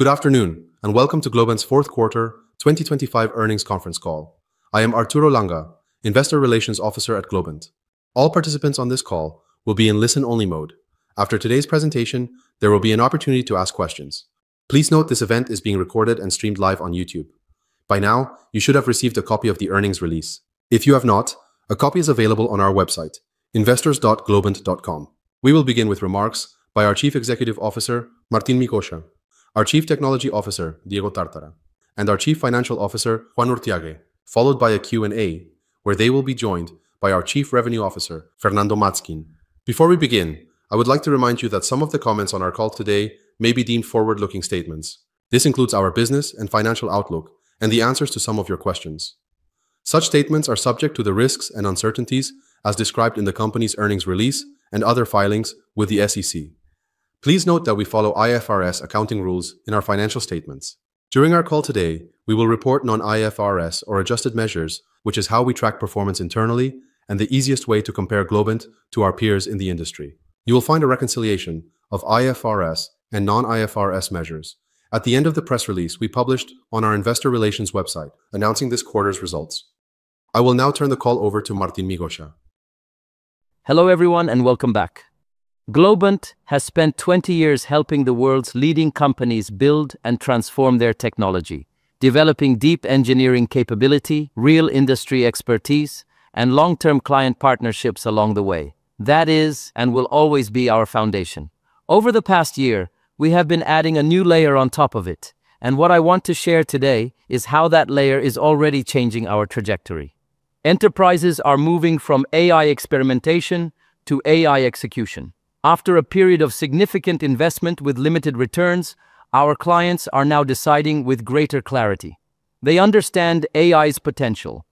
Welcome to Globant's fourth quarter 2025 earnings conference call. I am Arturo Langa, Investor Relations Officer at Globant. All participants on this call will be in listen-only mode. After today's presentation, there will be an opportunity to ask questions. Please note this event is being recorded and streamed live on YouTube. By now, you should have received a copy of the earnings release. If you have not, a copy is available on our website, investors.globant.com. We will begin with remarks by our Chief Executive Officer, Martín Migoya; our Chief Technology Officer, Diego Tártara; and our Chief Financial Officer, Juan Urthiague, followed by a Q&A where they will be joined by our Chief Revenue Officer, Fernando Matzkin. Before we begin, I would like to remind you that some of the comments on our call today may be deemed forward-looking statements. This includes our business and financial outlook and the answers to some of your questions. Such statements are subject to the risks and uncertainties as described in the company's earnings release and other filings with the SEC. Please note that we follow IFRS accounting rules in our financial statements. During our call today, we will report non-IFRS or adjusted measures, which is how we track performance internally and the easiest way to compare Globant to our peers in the industry. You will find a reconciliation of IFRS and non-IFRS measures at the end of the press release we published on our Investor Relations website announcing this quarter's results. I will now turn the call over to Martín Migoya. Hello everyone and welcome back. Globant has spent 20 years helping the world's leading companies build and transform their technology, developing deep engineering capability, real industry expertise, and long-term client partnerships along the way. That is, and will always be, our foundation. Over the past year, we have been adding a new layer on top of it. What I want to share today is how that layer is already changing our trajectory. Enterprises are moving from AI experimentation to AI execution. After a period of significant investment with limited returns, our clients are now deciding with greater clarity. They understand AI's potential,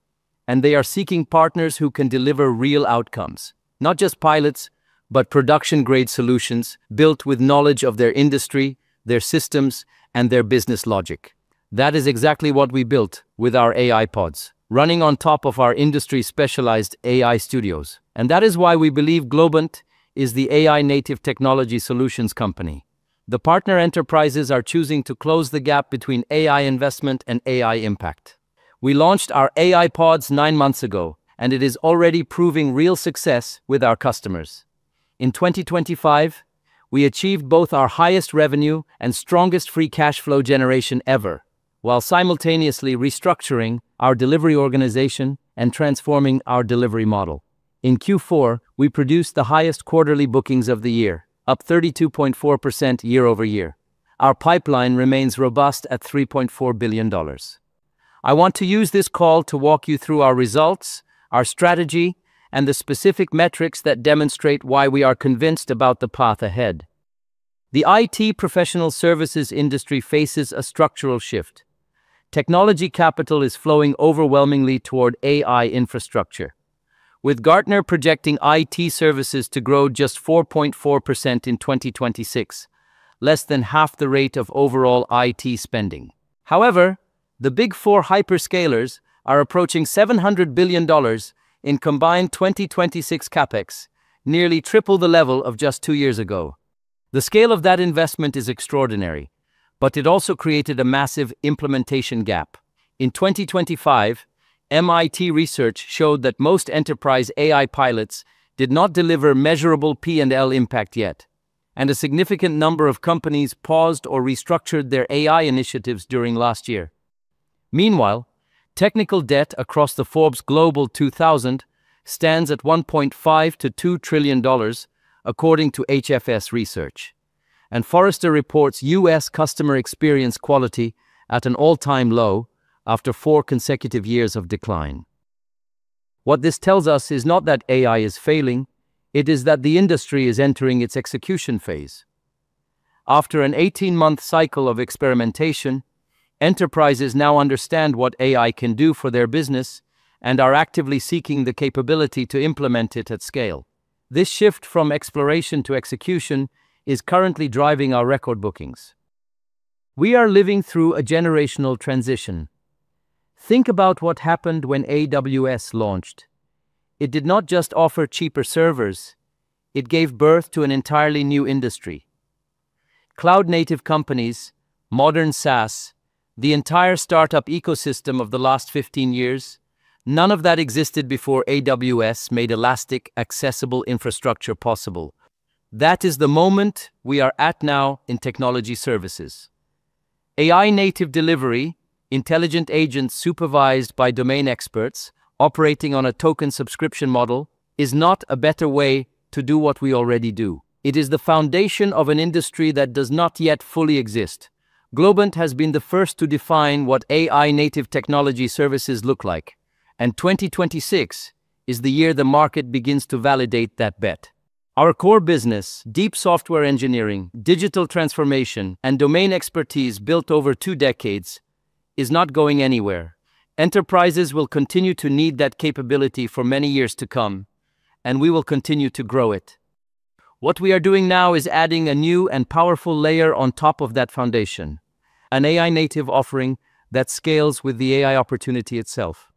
and they are seeking partners who can deliver real outcomes, not just pilots, but production-grade solutions built with knowledge of their industry, their systems, and their business logic. That is exactly what we built with our AI Pods, running on top of our industry-specialized AI Studios. That is why we believe Globant is the AI-native technology solutions company. The partner enterprises are choosing to close the gap between AI investment and AI impact. We launched our AI Pods nine months ago, and it is already proving real success with our customers. In 2025, we achieved both our highest revenue and strongest free cash flow generation ever, while simultaneously restructuring our delivery organization and transforming our delivery model. In Q4, we produced the highest quarterly bookings of the year, up 32.4% year-over-year. Our pipeline remains robust at $3.4 billion. I want to use this call to walk you through our results, our strategy, and the specific metrics that demonstrate why we are convinced about the path ahead. The IT professional services industry faces a structural shift. Technology capital is flowing overwhelmingly toward AI infrastructure, with Gartner projecting IT services to grow just 4.4% in 2026, less than half the rate of overall IT spending. The Big Four hyperscalers are approaching $700 billion in combined 2026 CapEx, nearly triple the level of just two years ago. The scale of that investment is extraordinary, it also created a massive implementation gap. In 2025, MIT research showed that most enterprise AI pilots did not deliver measurable P&L impact yet, a significant number of companies paused or restructured their AI initiatives during last year. Technical debt across the Forbes Global 2000 stands at $1.5 trillion-$2 trillion, according to HFS Research, Forrester reports U.S. customer experience quality at an all-time low after four consecutive years of decline. What this tells us is not that AI is failing; it is that the industry is entering its execution phase. After an 18-month cycle of experimentation, enterprises now understand what AI can do for their business and are actively seeking the capability to implement it at scale. This shift from exploration to execution is currently driving our record bookings. We are living through a generational transition. Think about what happened when AWS launched. It did not just offer cheaper servers; it gave birth to an entirely new industry. Cloud-native companies, modern SaaS, the entire startup ecosystem of the last 15 years—none of that existed before AWS made elastic, accessible infrastructure possible. That is the moment we are at now in technology services. AI-native delivery, intelligent agents supervised by domain experts operating on a token subscription model, is not a better way to do what we already do. It is the foundation of an industry that does not yet fully exist. Globant has been the first to define what AI-native technology services look like, and 2026 is the year the market begins to validate that bet. Our core business, deep software engineering, digital transformation, and domain expertise built over two decades, is not going anywhere. Enterprises will continue to need that capability for many years to come, and we will continue to grow it. What we are doing now is adding a new and powerful layer on top of that foundation: an AI-native offering that scales with the AI opportunity itself.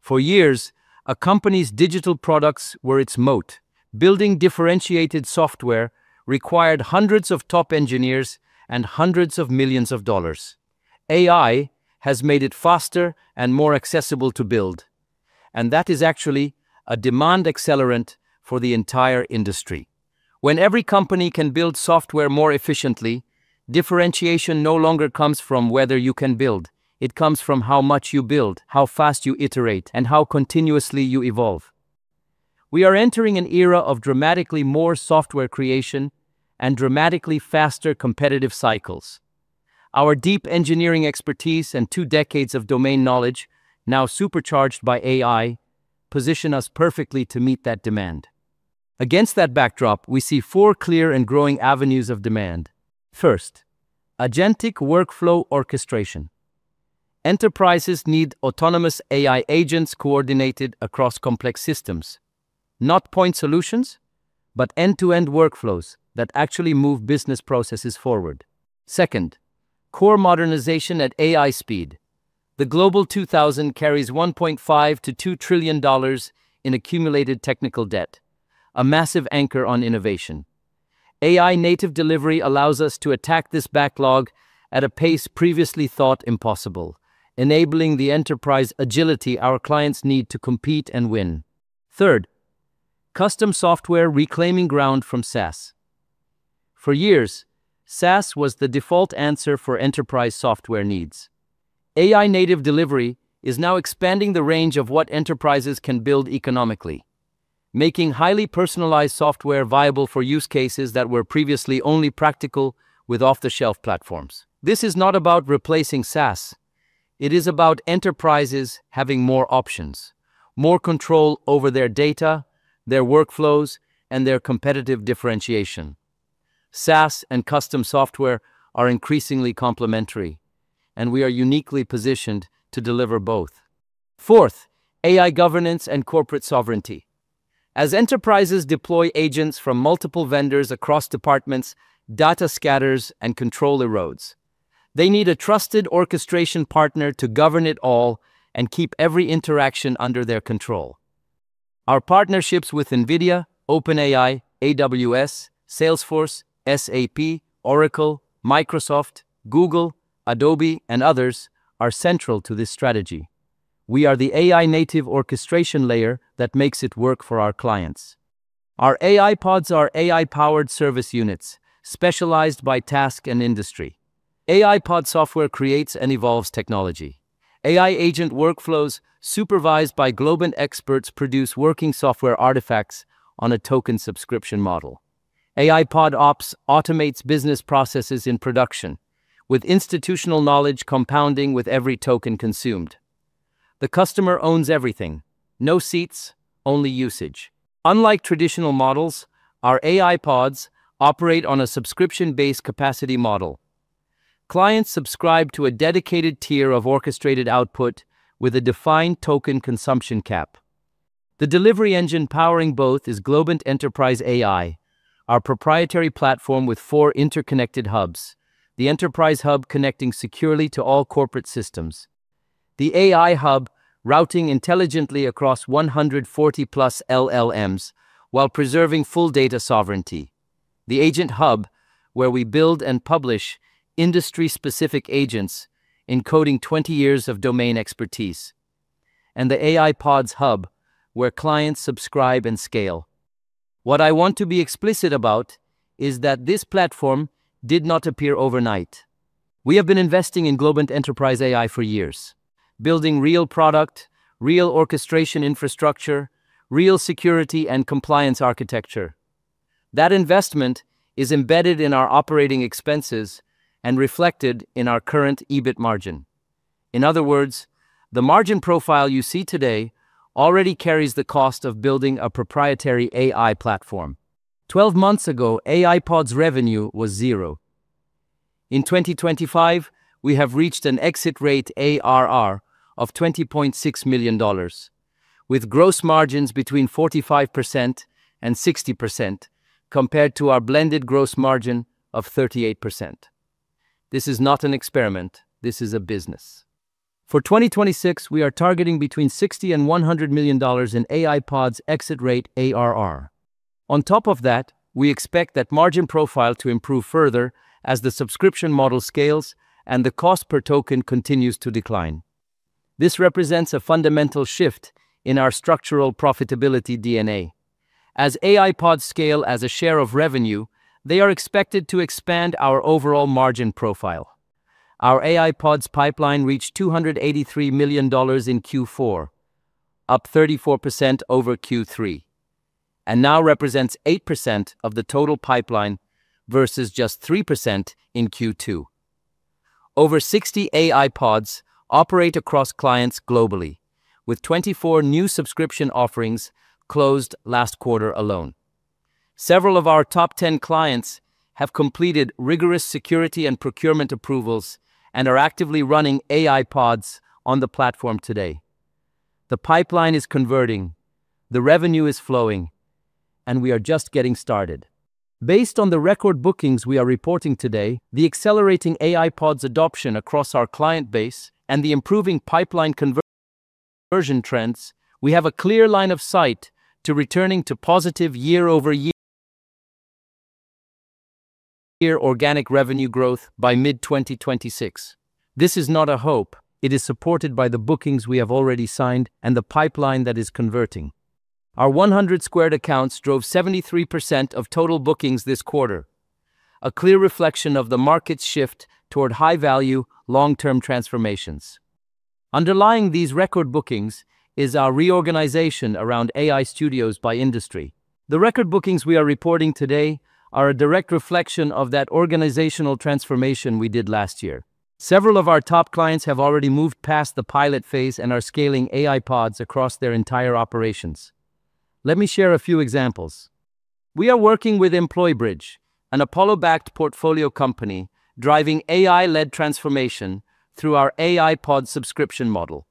For years, a company's digital products were its moat. Building differentiated software required hundreds of top engineers and hundreds of millions of dollars. AI has made it faster and more accessible to build, and that is actually a demand accelerant for the entire industry. When every company can build software more efficiently, differentiation no longer comes from whether you can build; it comes from how much you build, how fast you iterate, and how continuously you evolve. We are entering an era of dramatically more software creation and dramatically faster competitive cycles. Our deep engineering expertise and two decades of domain knowledge, now supercharged by AI, position us perfectly to meet that demand. Against that backdrop, we see four clear and growing avenues of demand. First: agentic workflow orchestration. Enterprises need autonomous AI agents coordinated across complex systems—not point solutions, but end-to-end workflows that actually move business processes forward. Second: core modernization at AI speed. The Global 2000 carries $1.5 trillion-$2 trillion in accumulated technical debt, a massive anchor on innovation. AI-native delivery allows us to attack this backlog at a pace previously thought impossible, enabling the enterprise agility our clients need to compete and win. Third: custom software reclaiming ground from SaaS. For years, SaaS was the default answer for enterprise software needs. AI-native delivery is now expanding the range of what enterprises can build economically, making highly personalized software viable for use cases that were previously only practical with off-the-shelf platforms. This is not about replacing SaaS, it is about enterprises having more options, more control over their data, their workflows, and their competitive differentiation. SaaS and custom software are increasingly complementary, and we are uniquely positioned to deliver both. Fourth: AI governance and corporate sovereignty. As enterprises deploy agents from multiple vendors across departments, data scatters and control erodes. They need a trusted orchestration partner to govern it all and keep every interaction under their control. Our partnerships with NVIDIA, OpenAI, AWS, Salesforce, SAP, Oracle, Microsoft, Google, Adobe, and others are central to this strategy. We are the AI-native orchestration layer that makes it work for our clients. Our AI Pods are AI-powered service units, specialized by task and industry. AI Pod software creates and evolves technology. AI agent workflows, supervised by Globant experts, produce working software artifacts on a token subscription model. AI Pod ops automates business processes in production, with institutional knowledge compounding with every token consumed. The customer owns everything, no seats, only usage. Unlike traditional models, our AI Pods operate on a subscription-based capacity model. Clients subscribe to a dedicated tier of orchestrated output with a defined token consumption cap. The delivery engine powering both is Globant Enterprise AI, our proprietary platform with four interconnected hubs, the Enterprise Hub connecting securely to all corporate systems. The AI Hub routing intelligently across 140+ LLMs while preserving full data sovereignty. The Agent Hub, where we build and publish industry-specific agents encoding 20 years of domain expertise. The AI Pods Hub, where clients subscribe and scale. What I want to be explicit about is that this platform did not appear overnight. We have been investing in Globant Enterprise AI for years, building real product, real orchestration infrastructure, real security and compliance architecture. That investment is embedded in our operating expenses and reflected in our current EBIT margin. In other words, the margin profile you see today already carries the cost of building a proprietary AI platform. 12 months ago, AI Pods revenue was 0. In 2025, we have reached an exit rate ARR of $20.6 million, with gross margins between 45% and 60% compared to our blended gross margin of 38%. This is not an experiment; this is a business. For 2026, we are targeting between $60 million and $100 million in AI Pods exit rate ARR. On top of that, we expect that margin profile to improve further as the subscription model scales and the cost per token continues to decline. This represents a fundamental shift in our structural profitability DNA. As AI Pods scale as a share of revenue, they are expected to expand our overall margin profile. Our AI Pods pipeline reached $283 million in Q4, up 34% over Q3, and now represents 8% of the total pipeline versus just 3% in Q2. Over 60 AI Pods operate across clients globally, with 24 new subscription offerings closed last quarter alone. Several of our top 10 clients have completed rigorous security and procurement approvals and are actively running AI Pods on the platform today. The pipeline is converting, the revenue is flowing, and we are just getting started. Based on the record bookings we are reporting today, the accelerating AI Pods adoption across our client base, and the improving pipeline conversion trends, we have a clear line of sight to returning to positive year-over-year organic revenue growth by mid-2026. This is not a hope. It is supported by the bookings we have already signed and the pipeline that is converting. Our 100 squared accounts drove 73% of total bookings this quarter, a clear reflection of the market's shift toward high-value, long-term transformations. Underlying these record bookings is our reorganization around AI Studios by industry. The record bookings we are reporting today are a direct reflection of that organizational transformation we did last year. Several of our top clients have already moved past the pilot phase and are scaling AI Pods across their entire operations. Let me share a few examples. We are working with EmployBridge, an Apollo-backed portfolio company driving AI-led transformation through our AI Pods subscription model.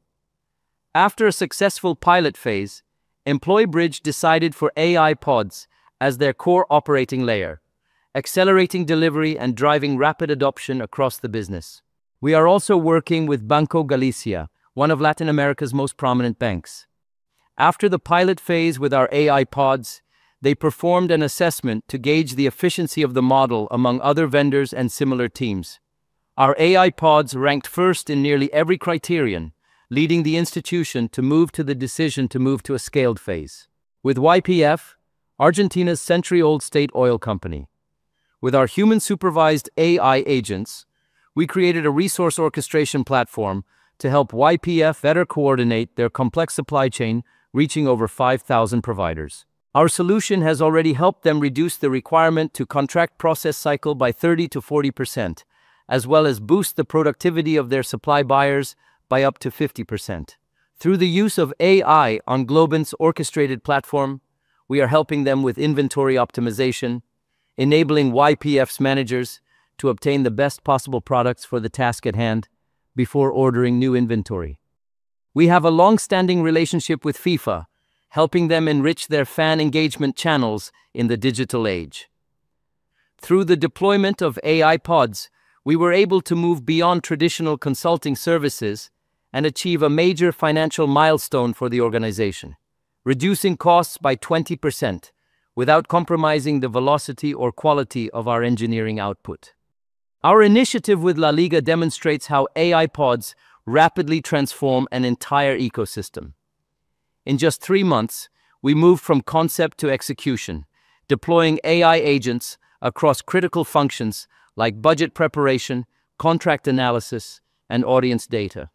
After a successful pilot phase, EmployBridge decided for AI Pods as their core operating layer, accelerating delivery and driving rapid adoption across the business. We are also working with Banco Galicia, one of Latin America's most prominent banks. After the pilot phase with our AI Pods, they performed an assessment to gauge the efficiency of the model among other vendors and similar teams. Our AI Pods ranked first in nearly every criterion, leading the institution to the decision to move to a scaled phase. With YPF, Argentina's century-old state oil company. With our human-supervised AI agents, we created a resource orchestration platform to help YPF better coordinate their complex supply chain reaching over 5,000 providers. Our solution has already helped them reduce the requirement to contract process cycle by 30%-40%, as well as boost the productivity of their supply buyers by up to 50%. Through the use of AI on Globant's orchestrated platform, we are helping them with inventory optimization, enabling YPF's managers to obtain the best possible products for the task at hand before ordering new inventory. We have a longstanding relationship with FIFA, helping them enrich their fan engagement channels in the digital age. Through the deployment of AI Pods, we were able to move beyond traditional consulting services and achieve a major financial milestone for the organization: reducing costs by 20% without compromising the velocity or quality of our engineering output. Our initiative with LaLiga demonstrates how AI Pods rapidly transform an entire ecosystem. In just three months, we moved from concept to execution, deploying AI agents across critical functions like budget preparation, contract analysis, and audience data.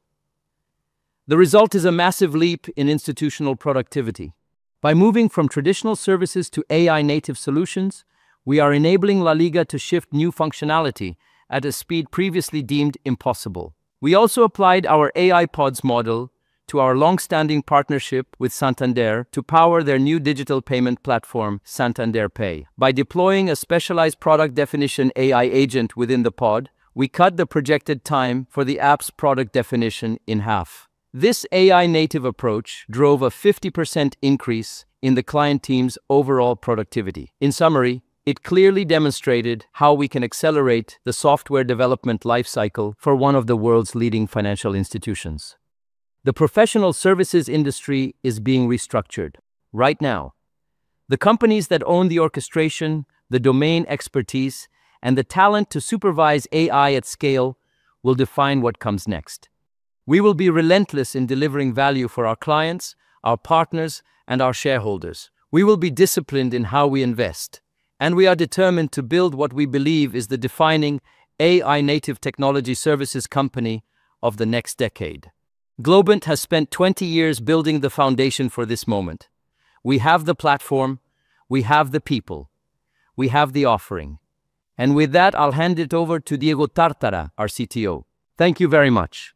The result is a massive leap in institutional productivity. By moving from traditional services to AI-native solutions, we are enabling LaLiga to shift new functionality at a speed previously deemed impossible. We also applied our AI Pods model to our longstanding partnership with Santander to power their new digital payment platform, Santander Pay. By deploying a specialized product definition AI agent within the pod, we cut the projected time for the app's product definition in half. This AI-native approach drove a 50% increase in the client team's overall productivity. In summary, it clearly demonstrated how we can accelerate the software development lifecycle for one of the world's leading financial institutions. The professional services industry is being restructured right now. The companies that own the orchestration, the domain expertise, and the talent to supervise AI at scale will define what comes next. We will be relentless in delivering value for our clients, our partners, and our shareholders. We will be disciplined in how we invest, and we are determined to build what we believe is the defining AI-native technology services company of the next decade. Globant has spent 20 years building the foundation for this moment. We have the platform, we have the people, we have the offering. With that, I'll hand it over to Diego Tártara, our CTO. Thank you very much.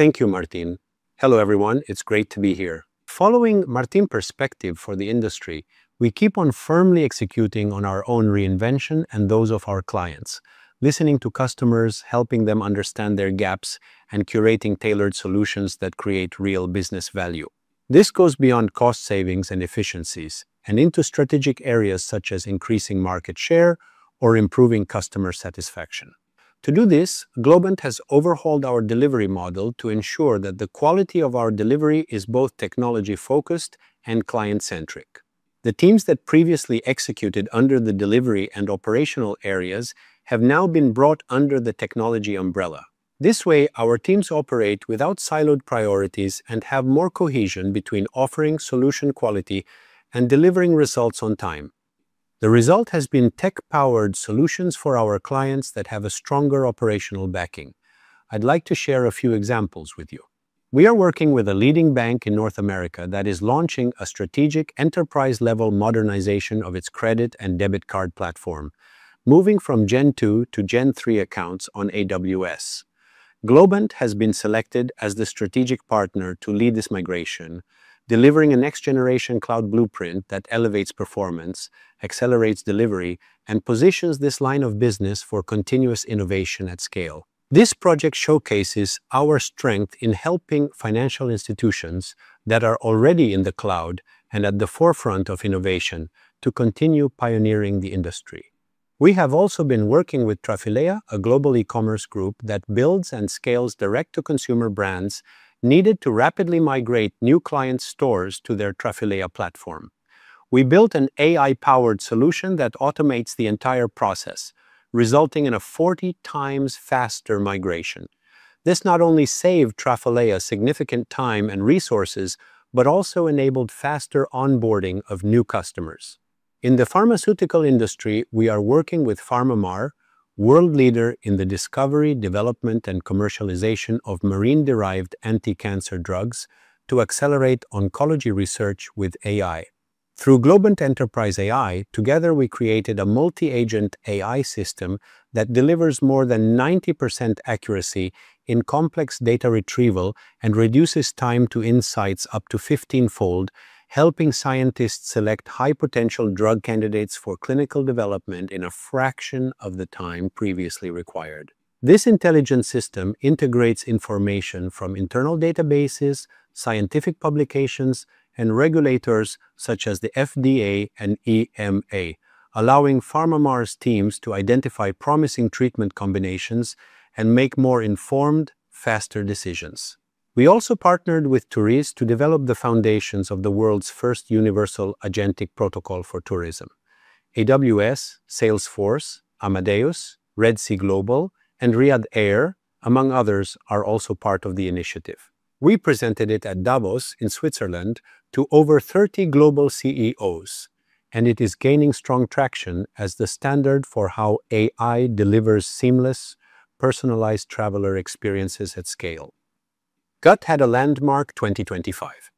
Thank you, Martín. Hello everyone, it's great to be here. Following Martín's perspective for the industry, we keep on firmly executing on our own reinvention and those of our clients, listening to customers, helping them understand their gaps, and curating tailored solutions that create real business value. This goes beyond cost savings and efficiencies and into strategic areas such as increasing market share or improving customer satisfaction. To do this, Globant has overhauled our delivery model to ensure that the quality of our delivery is both technology-focused and client-centric. The teams that previously executed under the delivery and operational areas have now been brought under the technology umbrella. This way, our teams operate without siloed priorities and have more cohesion between offering solution quality and delivering results on time. The result has been tech-powered solutions for our clients that have a stronger operational backing. I'd like to share a few examples with you. We are working with a leading bank in North America that is launching a strategic enterprise-level modernization of its credit and debit card platform, moving from Gen 2 to Gen 3 accounts on AWS. Globant has been selected as the strategic partner to lead this migration, delivering a next-generation cloud blueprint that elevates performance, accelerates delivery, and positions this line of business for continuous innovation at scale. This project showcases our strength in helping financial institutions that are already in the cloud and at the forefront of innovation to continue pioneering the industry. We have also been working with Trafilea, a global e-commerce group that builds and scales direct-to-consumer brands needed to rapidly migrate new clients' stores to their Trafilea platform. We built an AI-powered solution that automates the entire process, resulting in a 40 times faster migration. This not only saved Trafilea significant time and resources but also enabled faster onboarding of new customers. In the pharmaceutical industry, we are working with PharmaMar, world leader in the discovery, development, and commercialization of marine-derived anti-cancer drugs, to accelerate oncology research with AI. Through Globant Enterprise AI, together we created a multi-agent AI system that delivers more than 90% accuracy in complex data retrieval and reduces time to insights up to 15-fold, helping scientists select high-potential drug candidates for clinical development in a fraction of the time previously required. This intelligent system integrates information from internal databases, scientific publications, and regulators such as the FDA and EMA, allowing PharmaMar's teams to identify promising treatment combinations and make more informed, faster decisions. We also partnered with TOURISE to develop the foundations of the world's first universal agentic protocol for tourism. AWS, Salesforce, Amadeus, Red Sea Global, and Riyadh Air, among others, are also part of the initiative. We presented it at Davos in Switzerland to over 30 global CEOs. It is gaining strong traction as the standard for how AI delivers seamless, personalized traveler experiences at scale. GUT had a landmark 2025.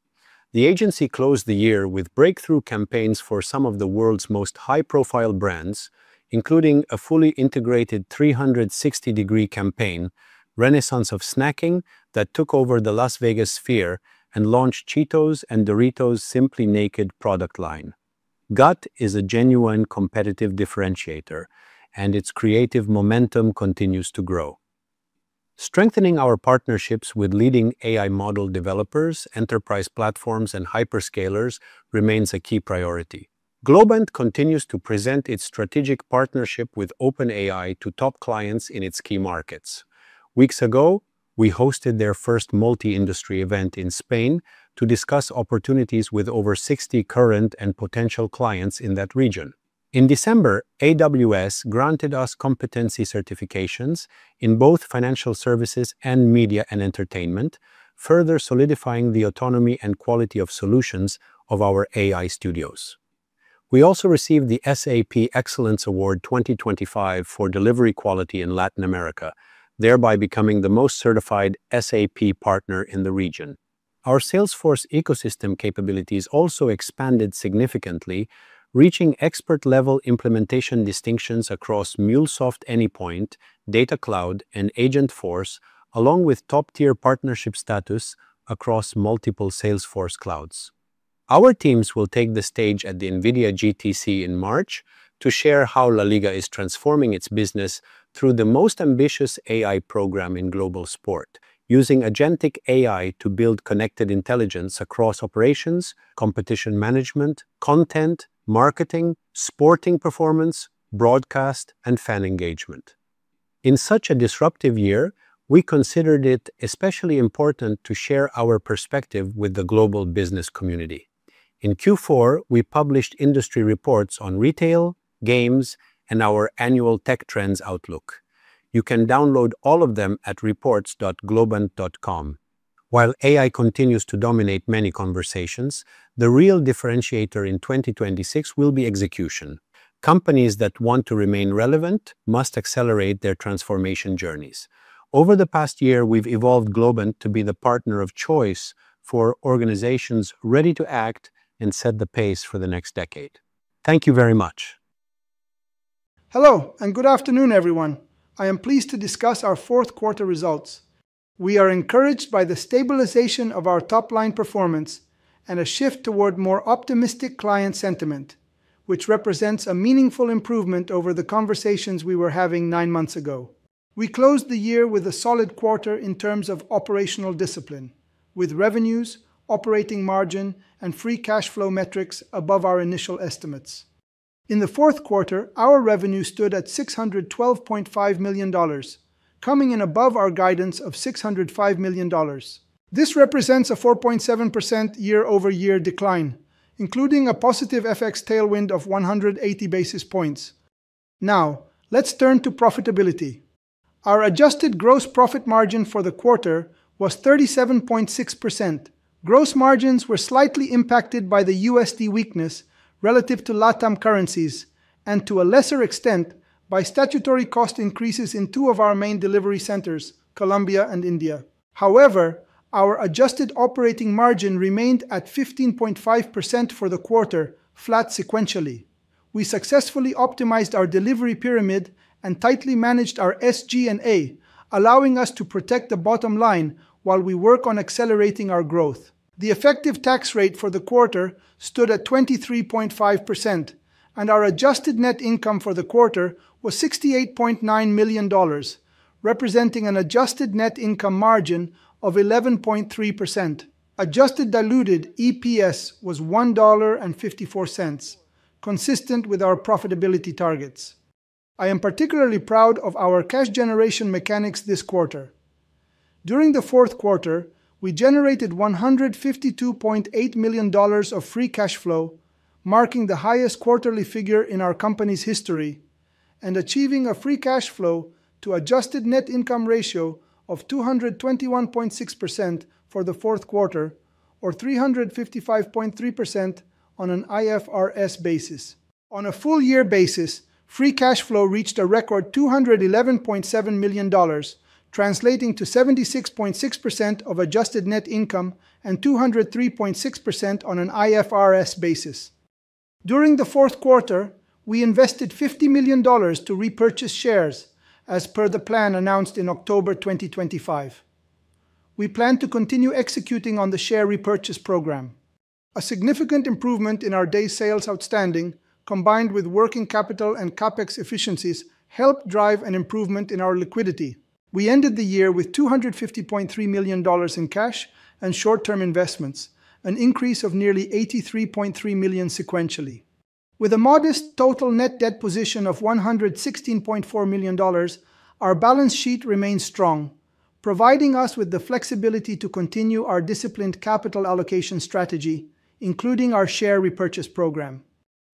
The agency closed the year with breakthrough campaigns for some of the world's most high-profile brands, including a fully integrated 360-degree campaign, The Renaissance of Snacking, that took over the Las Vegas sphere and launched Cheetos and Doritos' Simply NKD product line. GUT is a genuine competitive differentiator, and its creative momentum continues to grow. Strengthening our partnerships with leading AI model developers, enterprise platforms, and hyperscalers remains a key priority. Globant continues to present its strategic partnership with OpenAI to top clients in its key markets. Weeks ago, we hosted their first multi-industry event in Spain to discuss opportunities with over 60 current and potential clients in that region. In December, AWS granted us competency certifications in both financial services and media and entertainment, further solidifying the autonomy and quality of solutions of our AI Studios. We also received the SAP Partner Excellence Award 2025 for delivery quality in Latin America, thereby becoming the most certified SAP partner in the region. Our Salesforce ecosystem capabilities also expanded significantly, reaching expert-level implementation distinctions across MuleSoft Anypoint Platform, Data Cloud, and Agentforce, along with top-tier partnership status across multiple Salesforce clouds. Our teams will take the stage at the NVIDIA GTC in March to share how LaLiga is transforming its business through the most ambitious AI program in global sport, using agentic AI to build connected intelligence across operations, competition management, content, marketing, sporting performance, broadcast, and fan engagement. In such a disruptive year, we considered it especially important to share our perspective with the global business community. In Q4, we published industry reports on retail, games, and our annual tech trends outlook. You can download all of them at reports.globant.com. While AI continues to dominate many conversations, the real differentiator in 2026 will be execution. Companies that want to remain relevant must accelerate their transformation journeys. Over the past year, we've evolved Globant to be the partner of choice for organizations ready to act and set the pace for the next decade. Thank you very much. Hello, and good afternoon, everyone. I am pleased to discuss our fourth quarter results. We are encouraged by the stabilization of our top-line performance and a shift toward more optimistic client sentiment, which represents a meaningful improvement over the conversations we were having nine months ago. We closed the year with a solid quarter in terms of operational discipline, with revenues, operating margin, and free cash flow metrics above our initial estimates. In the fourth quarter, our revenue stood at $612.5 million, coming in above our guidance of $605 million. This represents a 4.7% year-over-year decline, including a positive FX tailwind of 180 basis points. Let's turn to profitability. Our adjusted gross profit margin for the quarter was 37.6%. Gross margins were slightly impacted by the USD weakness relative to LATAM currencies and, to a lesser extent, by statutory cost increases in two of our main delivery centers, Colombia and India. Our adjusted operating margin remained at 15.5% for the quarter, flat sequentially. We successfully optimized our delivery pyramid and tightly managed our SG&A, allowing us to protect the bottom line while we work on accelerating our growth. The effective tax rate for the quarter stood at 23.5%, and our adjusted net income for the quarter was $68.9 million, representing an adjusted net income margin of 11.3%. Adjusted diluted EPS was $1.54, consistent with our profitability targets. I am particularly proud of our cash generation mechanics this quarter. During the fourth quarter, we generated $152.8 million of free cash flow, marking the highest quarterly figure in our company's history, and achieving a free cash flow to adjusted net income ratio of 221.6% for the fourth quarter, or 355.3% on an IFRS basis. On a full-year basis, free cash flow reached a record $211.7 million, translating to 76.6% of adjusted net income and 203.6% on an IFRS basis. During the fourth quarter, we invested $50 million to repurchase shares, as per the plan announced in October 2025. We plan to continue executing on the share repurchase program. A significant improvement in our days sales outstanding, combined with working capital and CapEx efficiencies, helped drive an improvement in our liquidity. We ended the year with $250.3 million in cash and short-term investments, an increase of nearly $83.3 million sequentially. With a modest total net debt position of $116.4 million, our balance sheet remains strong, providing us with the flexibility to continue our disciplined capital allocation strategy, including our share repurchase program.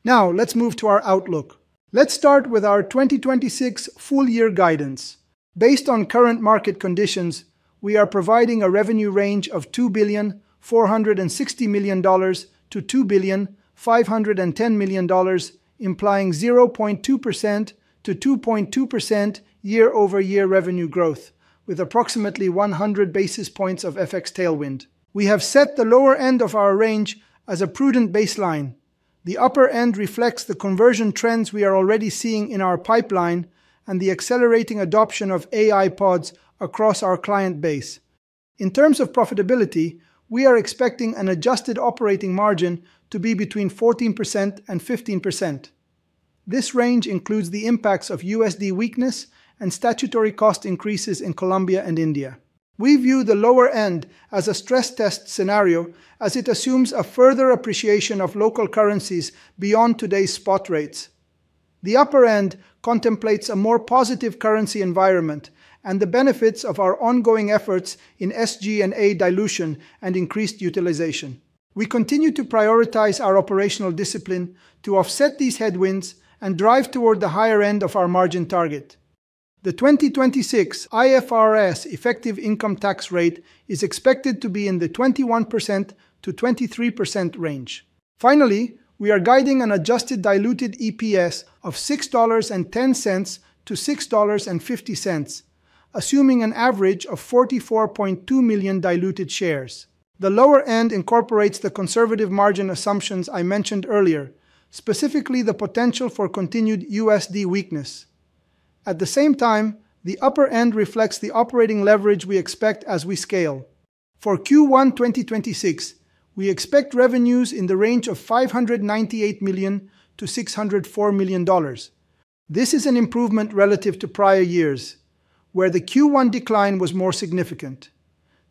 Let's move to our outlook. Let's start with our 2026 full-year guidance. Based on current market conditions, we are providing a revenue range of $2,460 million-$2,510 million, implying 0.2%-2.2% year-over-year revenue growth, with approximately 100 basis points of FX tailwind. We have set the lower end of our range as a prudent baseline. The upper end reflects the conversion trends we are already seeing in our pipeline and the accelerating adoption of AI Pods across our client base. In terms of profitability, we are expecting an adjusted operating margin to be between 14% and 15%. This range includes the impacts of USD weakness and statutory cost increases in Colombia and India. We view the lower end as a stress test scenario, as it assumes a further appreciation of local currencies beyond today's spot rates. The upper end contemplates a more positive currency environment and the benefits of our ongoing efforts in SG&A dilution and increased utilization. We continue to prioritize our operational discipline to offset these headwinds and drive toward the higher end of our margin target. The 2026 IFRS effective income tax rate is expected to be in the 21%-23% range. We are guiding an adjusted diluted EPS of $6.10-$6.50, assuming an average of 44.2 million diluted shares. The lower end incorporates the conservative margin assumptions I mentioned earlier, specifically the potential for continued USD weakness. At the same time, the upper end reflects the operating leverage we expect as we scale. For Q1 2026, we expect revenues in the range of $598 million-$604 million. This is an improvement relative to prior years, where the Q1 decline was more significant.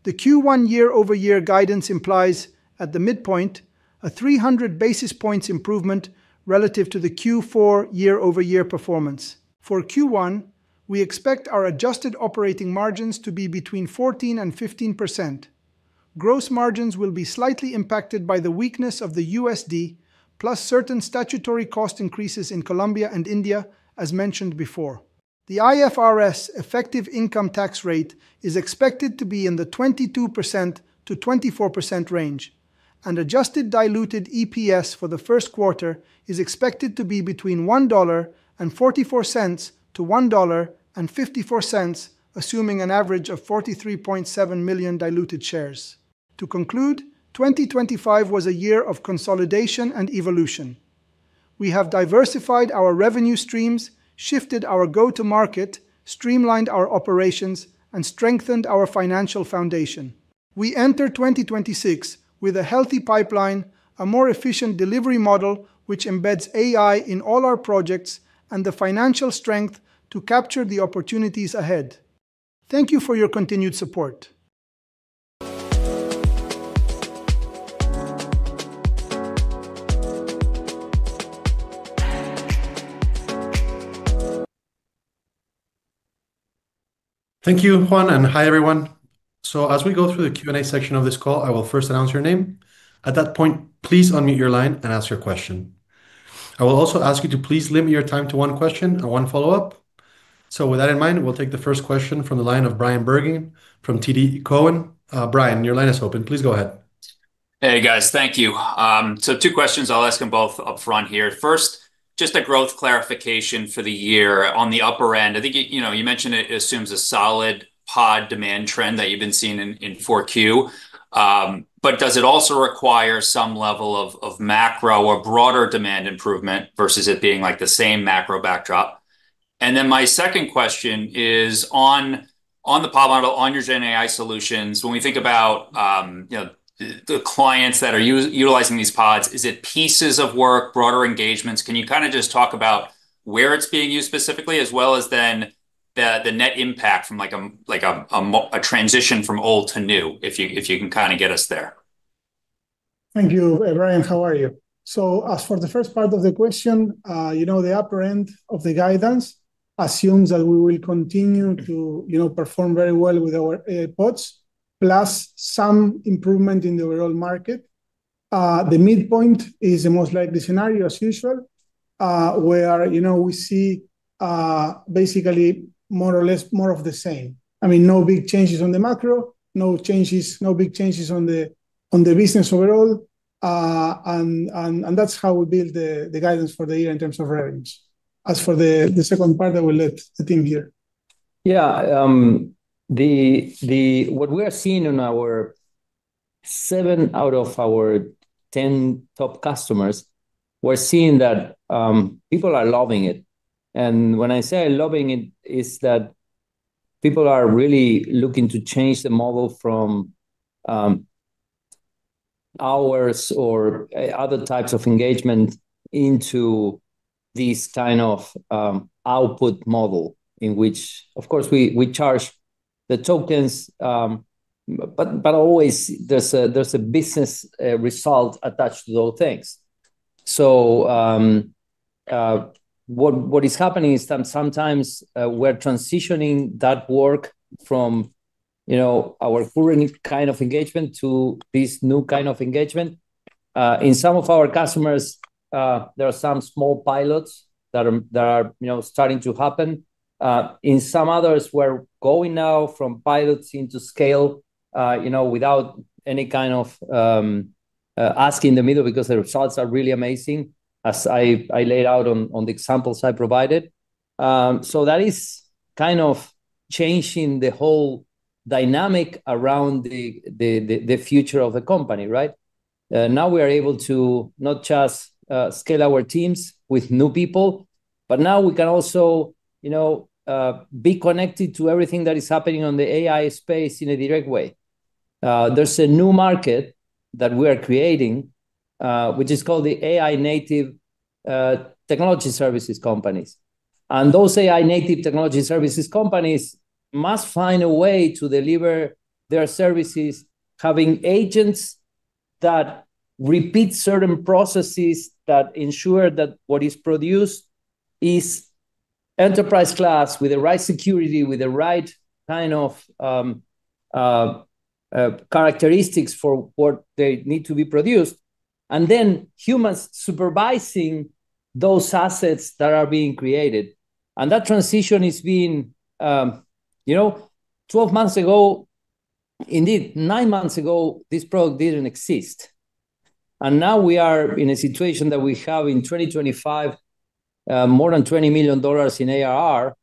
The Q1 year-over-year guidance implies, at the midpoint, a 300 basis points improvement relative to the Q4 year-over-year performance. For Q1, we expect our adjusted operating margins to be between 14% and 15%. Gross margins will be slightly impacted by the weakness of the USD, plus certain statutory cost increases in Colombia and India, as mentioned before. The IFRS effective income tax rate is expected to be in the 22%-24% range, and adjusted diluted EPS for the first quarter is expected to be between $1.44 to $1.54, assuming an average of 43.7 million diluted shares. To conclude, 2025 was a year of consolidation and evolution. We have diversified our revenue streams, shifted our go-to-market, streamlined our operations, and strengthened our financial foundation. We enter 2026 with a healthy pipeline, a more efficient delivery model which embeds AI in all our projects, and the financial strength to capture the opportunities ahead. Thank you for your continued support. Thank you, Juan. Hi everyone. As we go through the Q&A section of this call, I will first announce your name. At that point, please unmute your line and ask your question. I will also ask you to please limit your time to one question and one follow-up. With that in mind, we'll take the first question from the line of Bryan Bergin from TD Cowen. Bryan, your line is open. Please go ahead. Hey guys, thank you. Two questions. I'll ask them both up front here. First, just a growth clarification for the year on the upper end. I think you mentioned it assumes a solid AI Pod demand trend that you've been seeing in 4Q, but does it also require some level of macro or broader demand improvement versus it being the same macro backdrop? My second question is on the AI Pod model, on your GenAI solutions, when we think about the clients that are utilizing these AI Pods, is it pieces of work, broader engagements? Can you kind of just talk about where it's being used specifically, as well as then the net impact from a transition from old to new, if you can kind of get us there? Thank you. Bryan, how are you? As for the first part of the question, the upper end of the guidance assumes that we will continue to perform very well with our pods, plus some improvement in the overall market. The midpoint is the most likely scenario, as usual, where we see basically more or less more of the same. I mean, no big changes on the macro, no big changes on the business overall. That's how we build the guidance for the year in terms of revenues. As for the second part, I will let the team hear. What we are seeing in our seven out of our 10 top customers, we're seeing that people are loving it. When I say loving it's that people are really looking to change the model from hours or other types of engagement into this kind of output model in which, of course, we charge the tokens, but always there's a business result attached to those things. What is happening is that sometimes we're transitioning that work from our current kind of engagement to this new kind of engagement. In some of our customers, there are some small pilots that are starting to happen. In some others, we're going now from pilots into scale without any kind of asking in the middle because the results are really amazing, as I laid out on the examples I provided. That is kind of changing the whole dynamic around the future of the company, right? Now we are able to not just scale our teams with new people, but now we can also be connected to everything that is happening on the AI space in a direct way. There's a new market that we are creating, which is called the AI-native technology services companies. Those AI-native technology services companies must find a way to deliver their services, having agents that repeat certain processes that ensure that what is produced is enterprise-class, with the right security, with the right kind of characteristics for what they need to be produced, and then humans supervising those assets that are being created. That transition is being 12 months ago, indeed, nine months ago, this product didn't exist. Now we are in a situation that we have in 2025, more than $20 million in ARR.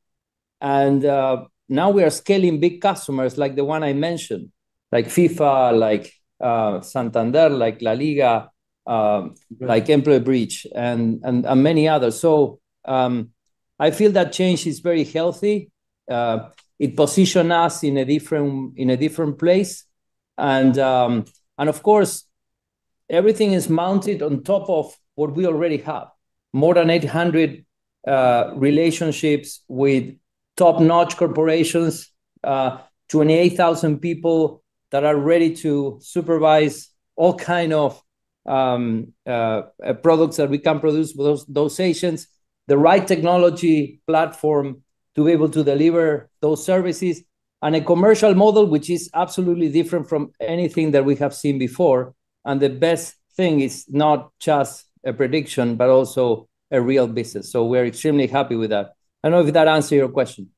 Now we are scaling big customers like the one I mentioned, like FIFA, like Santander, like LaLiga, like EmployBridge, and many others. I feel that change is very healthy. It positioned us in a different place. Of course, everything is mounted on top of what we already have, more than 800 relationships with top-notch corporations, 28,000 people that are ready to supervise all kinds of products that we can produce with those agents, the right technology platform to be able to deliver those services, and a commercial model which is absolutely different from anything that we have seen before. The best thing is not just a prediction, but also a real business. We are extremely happy with that. I don't know if that answered your question.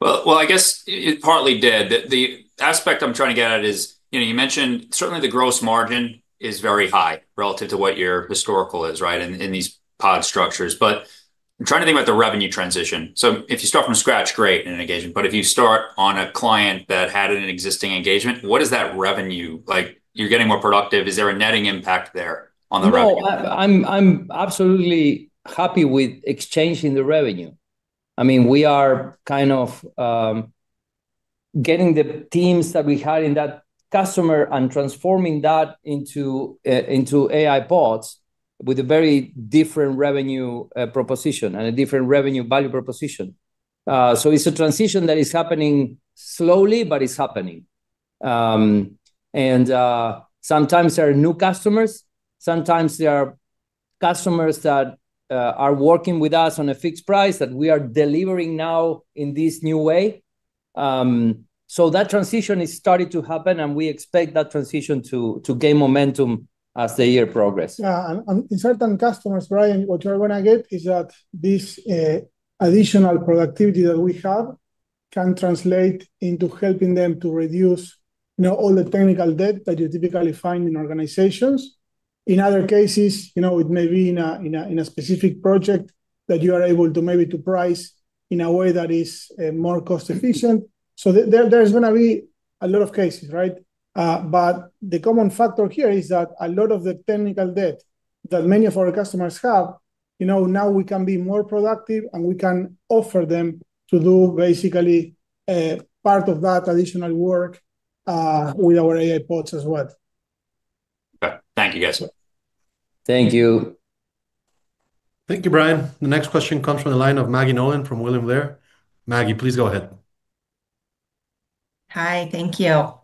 Well, I guess it partly did. The aspect I'm trying to get at is you mentioned certainly the gross margin is very high relative to what your historical is, right, in these pod structures. I'm trying to think about the revenue transition. If you start from scratch, great in an engagement. If you start on a client that had an existing engagement, what is that revenue like? You're getting more productive. Is there a netting impact there on the revenue? No, I'm absolutely happy with exchanging the revenue. I mean, we are kind of getting the teams that we had in that customer and transforming that into AI Pods with a very different revenue proposition and a different revenue value proposition. It's a transition that is happening slowly, but it's happening. Sometimes there are new customers. Sometimes there are customers that are working with us on a fixed price that we are delivering now in this new way. That transition is starting to happen, and we expect that transition to gain momentum as the year progresses. Yeah. In certain customers, Bryan, what you are going to get is that this additional productivity that we have can translate into helping them to reduce all the technical debt that you typically find in organizations. In other cases, it may be in a specific project that you are able to maybe price in a way that is more cost-efficient. There's going to be a lot of cases, right? The common factor here is that a lot of the technical debt that many of our customers have, now we can be more productive, and we can offer them to do basically part of that additional work with our AI Pods as well. Thank you, guys. Thank you. Thank you, Bryan. The next question comes from the line of Maggie Nolan from William Blair. Maggie, please go ahead. Hi. Thank you.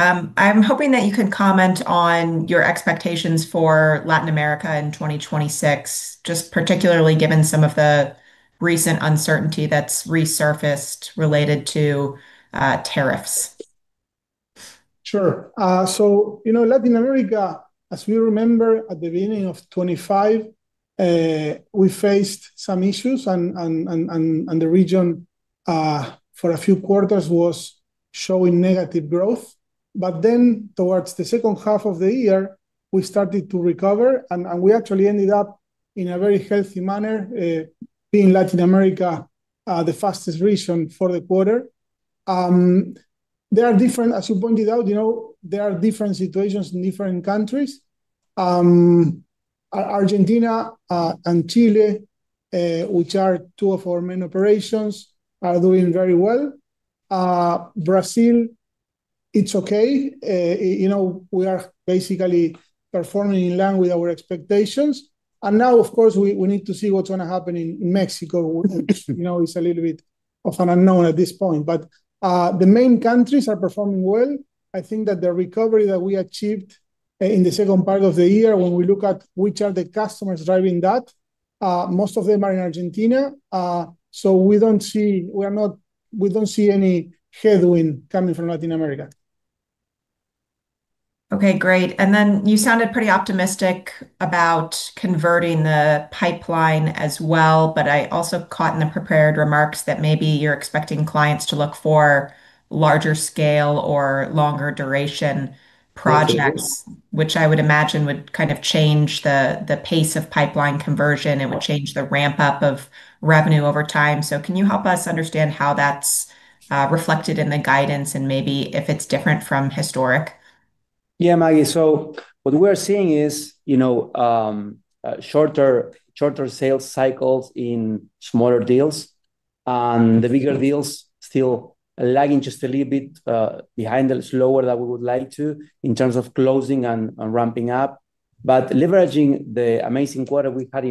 I'm hoping that you could comment on your expectations for Latin America in 2026, just particularly given some of the recent uncertainty that's resurfaced related to tariffs. Sure. Latin America, as we remember at the beginning of 2025, we faced some issues, and the region for a few quarters was showing negative growth. Towards the second half of the year, we started to recover, and we actually ended up in a very healthy manner being Latin America the fastest region for the quarter. There are different, as you pointed out, there are different situations in different countries. Argentina and Chile, which are two of our main operations, are doing very well. Brazil, it's okay. We are basically performing in line with our expectations. Of course, we need to see what's going to happen in Mexico. It's a little bit of an unknown at this point. The main countries are performing well. I think that the recovery that we achieved in the second part of the year, when we look at which are the customers driving that, most of them are in Argentina. We don't see any headwind coming from Latin America. Okay, great. You sounded pretty optimistic about converting the pipeline as well. I also caught in the prepared remarks that maybe you're expecting clients to look for larger scale or longer duration projects, which I would imagine would kind of change the pace of pipeline conversion. It would change the ramp-up of revenue over time. Can you help us understand how that's reflected in the guidance and maybe if it's different from historic? Yeah, Maggie. What we are seeing is shorter sales cycles in smaller deals. The bigger deals still lagging just a little bit behind, slower than we would like to in terms of closing and ramping up. Leveraging the amazing quarter we had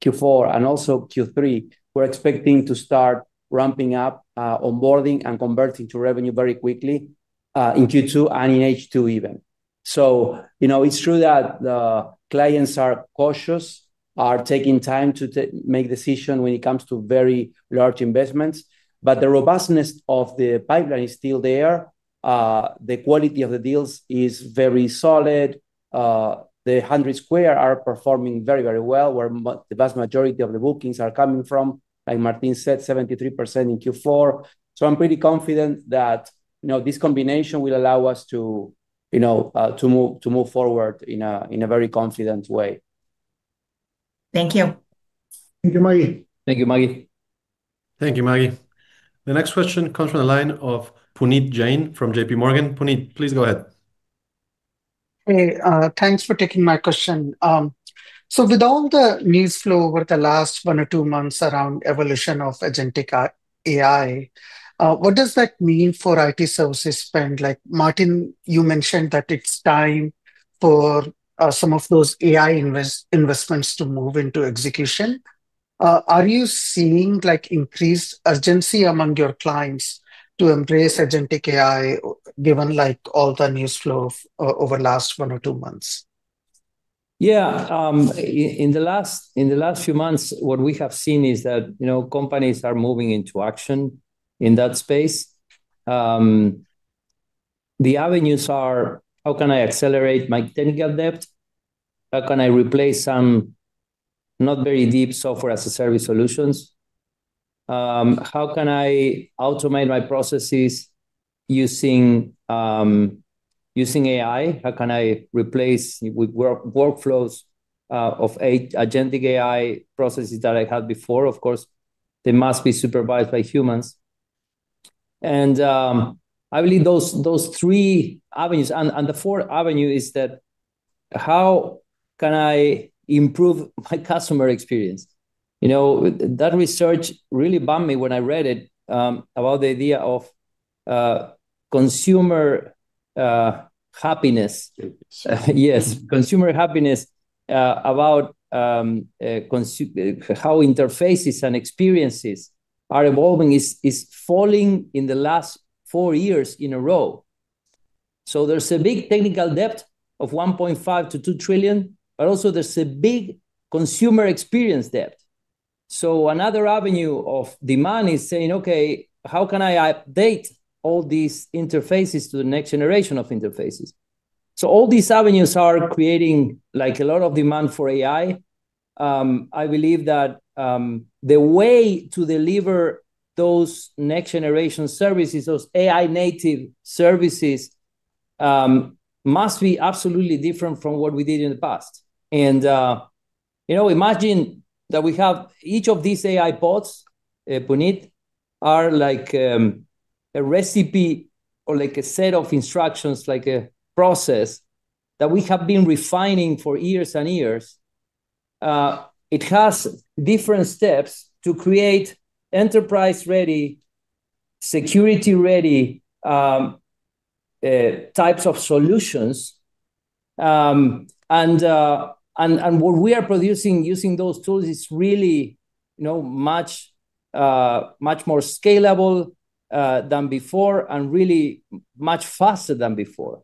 Q4 and also Q3, we're expecting to start ramping up, onboarding, and converting to revenue very quickly in Q2 and in H2 even. It's true that the clients are cautious, are taking time to make decisions when it comes to very large investments. The robustness of the pipeline is still there. The quality of the deals is very solid. The 100 squared are performing very, very well, where the vast majority of the bookings are coming from, like Martín said, 73% in Q4. I'm pretty confident that this combination will allow us to move forward in a very confident way. Thank you. Thank you, Maggie. Thank you, Maggie. Thank you, Maggie. The next question comes from the line of Puneet Jain from JP Morgan. Puneet, please go ahead. Hey. Thanks for taking my question. With all the news flow over the last one or two months around evolution of agentic AI, what does that mean for IT services spend? Martín, you mentioned that it's time for some of those AI investments to move into execution. Are you seeing increased urgency among your clients to embrace agentic AI given all the news flow over the last one or two months? In the last few months, what we have seen is that companies are moving into action in that space. The avenues are: how can I accelerate my technical debt? How can I replace some not very deep software-as-a-service solutions? How can I automate my processes using AI? How can I replace workflows of agentic AI processes that I had before? Of course, they must be supervised by humans. I believe those three avenues. The fourth avenue is that how can I improve my customer experience? That research really bummed me when I read it about the idea of consumer happiness. Yes, consumer happiness about how interfaces and experiences are evolving is falling in the last four years in a row. There's a big technical debt of $1.5 trillion-$2 trillion, but also there's a big consumer experience debt. Another avenue of demand is saying, "Okay, how can I update all these interfaces to the next generation of interfaces?" All these avenues are creating a lot of demand for AI. I believe that the way to deliver those next-generation services, those AI-native services, must be absolutely different from what we did in the past. Imagine that we have each of these AI Pods, Puneet, are like a recipe or like a set of instructions, like a process that we have been refining for years and years. It has different steps to create enterprise-ready, security-ready types of solutions. What we are producing using those tools is really much more scalable than before and really much faster than before.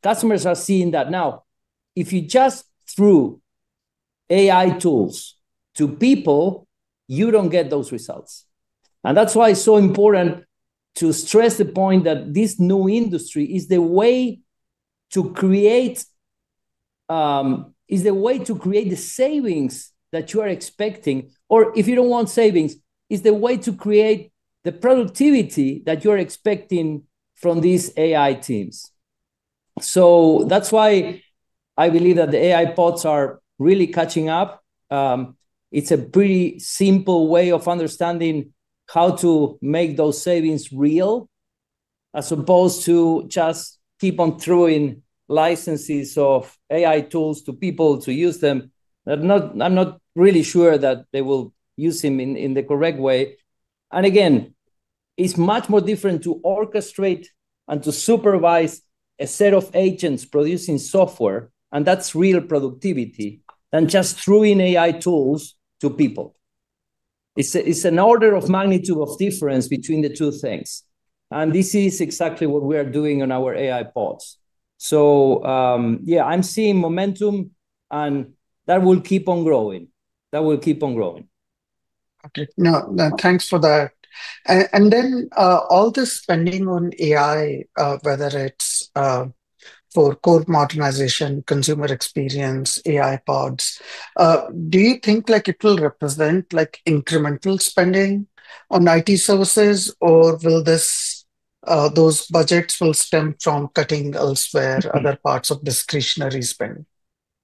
Customers are seeing that now. If you just threw AI tools to people, you don't get those results. That's why it's so important to stress the point that this new industry is the way to create the savings that you are expecting. If you don't want savings, it's the way to create the productivity that you are expecting from these AI teams. That's why I believe that the AI Pods are really catching up. It's a pretty simple way of understanding how to make those savings real as opposed to just keep on throwing licenses of AI tools to people to use them. I'm not really sure that they will use them in the correct way. Again, it's much more different to orchestrate and to supervise a set of agents producing software, and that's real productivity, than just throwing AI tools to people. It's an order of magnitude of difference between the two things. This is exactly what we are doing on our AI Pods. Yeah, I'm seeing momentum, and that will keep on growing. That will keep on growing. Okay. No, thanks for that. Then all this spending on AI, whether it's for core modernization, consumer experience, AI Pods, do you think it will represent incremental spending on IT services, or will those budgets stem from cutting elsewhere other parts of discretionary spending?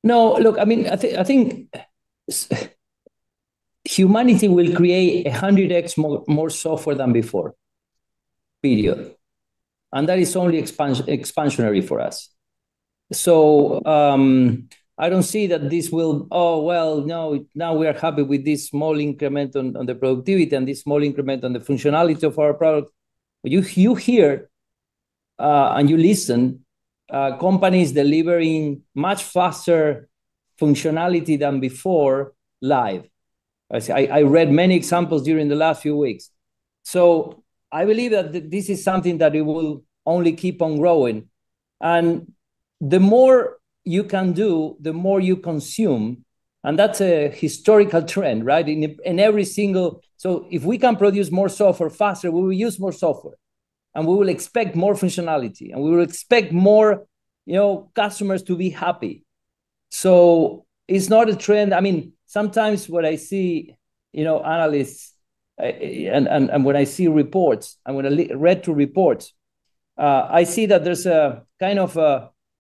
No, look, I mean, I think humanity will create 100x more software than before, period. That is only expansionary for us. I don't see that this will, "Oh, well, no, now we are happy with this small increment on the productivity and this small increment on the functionality of our product." You hear and you listen companies delivering much faster functionality than before live. I read many examples during the last few weeks. I believe that this is something that it will only keep on growing. The more you can do, the more you consume. That's a historical trend, right, in every single so if we can produce more software faster, we will use more software. We will expect more functionality. We will expect more customers to be happy. It's not a trend. I mean, sometimes what I see, analysts, when I see reports, I'm going to read through reports, I see that there's a kind of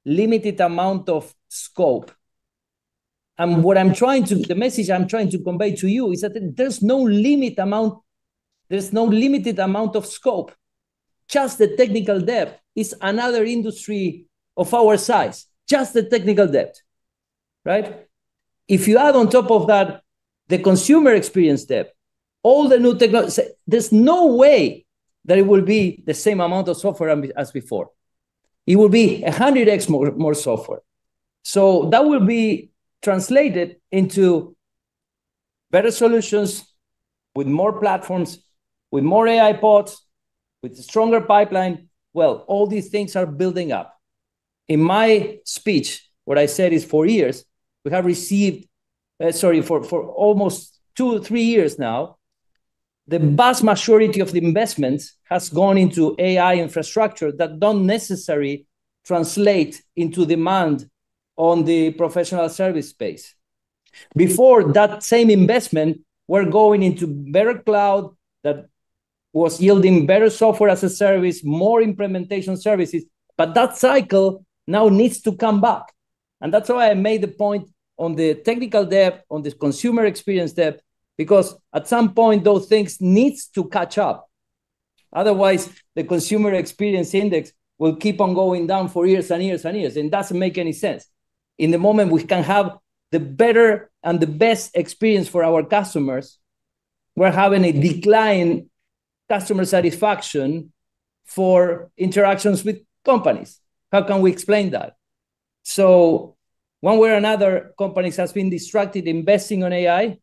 limited amount of scope. The message I'm trying to convey to you is that there's no limited amount of scope. Just the technical depth is another industry of our size, just the technical depth, right? If you add on top of that the consumer experience depth, all the new technology there's no way that it will be the same amount of software as before. It will be 100x more software. That will be translated into better solutions with more platforms, with more AI Pods, with a stronger pipeline. Well, all these things are building up. In my speech, what I said is four years, we have received for almost two, three years now, the vast majority of the investments has gone into AI infrastructure that don't necessarily translate into demand on the professional service space. Before that same investment, we're going to better cloud that was yielding better software as a service, more implementation services. That cycle now needs to come back. That's why I made the point on the technical depth, on this consumer experience depth, because at some point, those things need to catch up. Otherwise, the consumer experience index will keep on going down for years and years and years. It doesn't make any sense. In the moment we can have the better and the best experience for our customers, we're having a decline in customer satisfaction for interactions with companies. How can we explain that? One way or another, companies have been distracted investing on AI.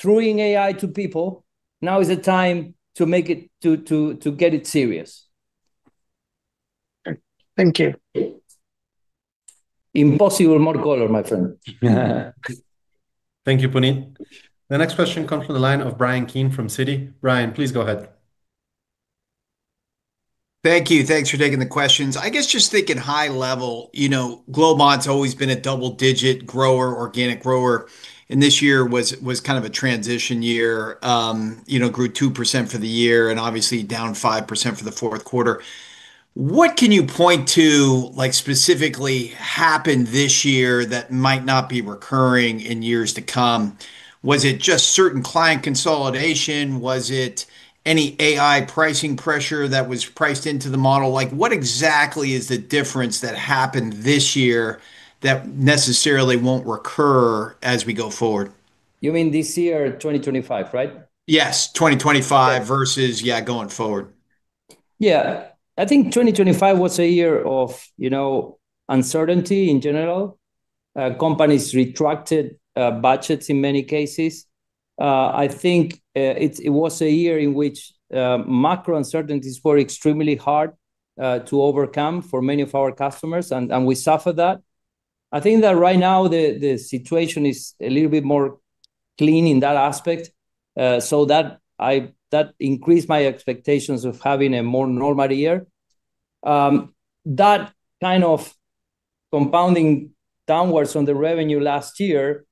Throwing AI to people, now is the time to make it to get it serious. Okay. Thank you. Impossible more color, my friend. Thank you, Puneet. The next question comes from the line of Bryan Keane from Citi. Bryan, please go ahead. Thank you. Thanks for taking the questions. I guess just thinking high level, Globant's always been a double-digit grower, organic grower. This year was kind of a transition year. Grew 2% for the year and obviously down 5% for the fourth quarter. What can you point to specifically happened this year that might not be recurring in years to come? Was it just certain client consolidation? Was it any AI pricing pressure that was priced into the model? What exactly is the difference that happened this year that necessarily won't recur as we go forward? You mean this year, 2025, right? Yes, 2025 versus, yeah, going forward. I think 2025 was a year of uncertainty in general. Companies retracted budgets in many cases. I think it was a year in which macro uncertainties were extremely hard to overcome for many of our customers. We suffered that. I think that right now, the situation is a little bit more clean in that aspect. That increased my expectations of having a more normal year. That kind of compounding downwards on the revenue last year,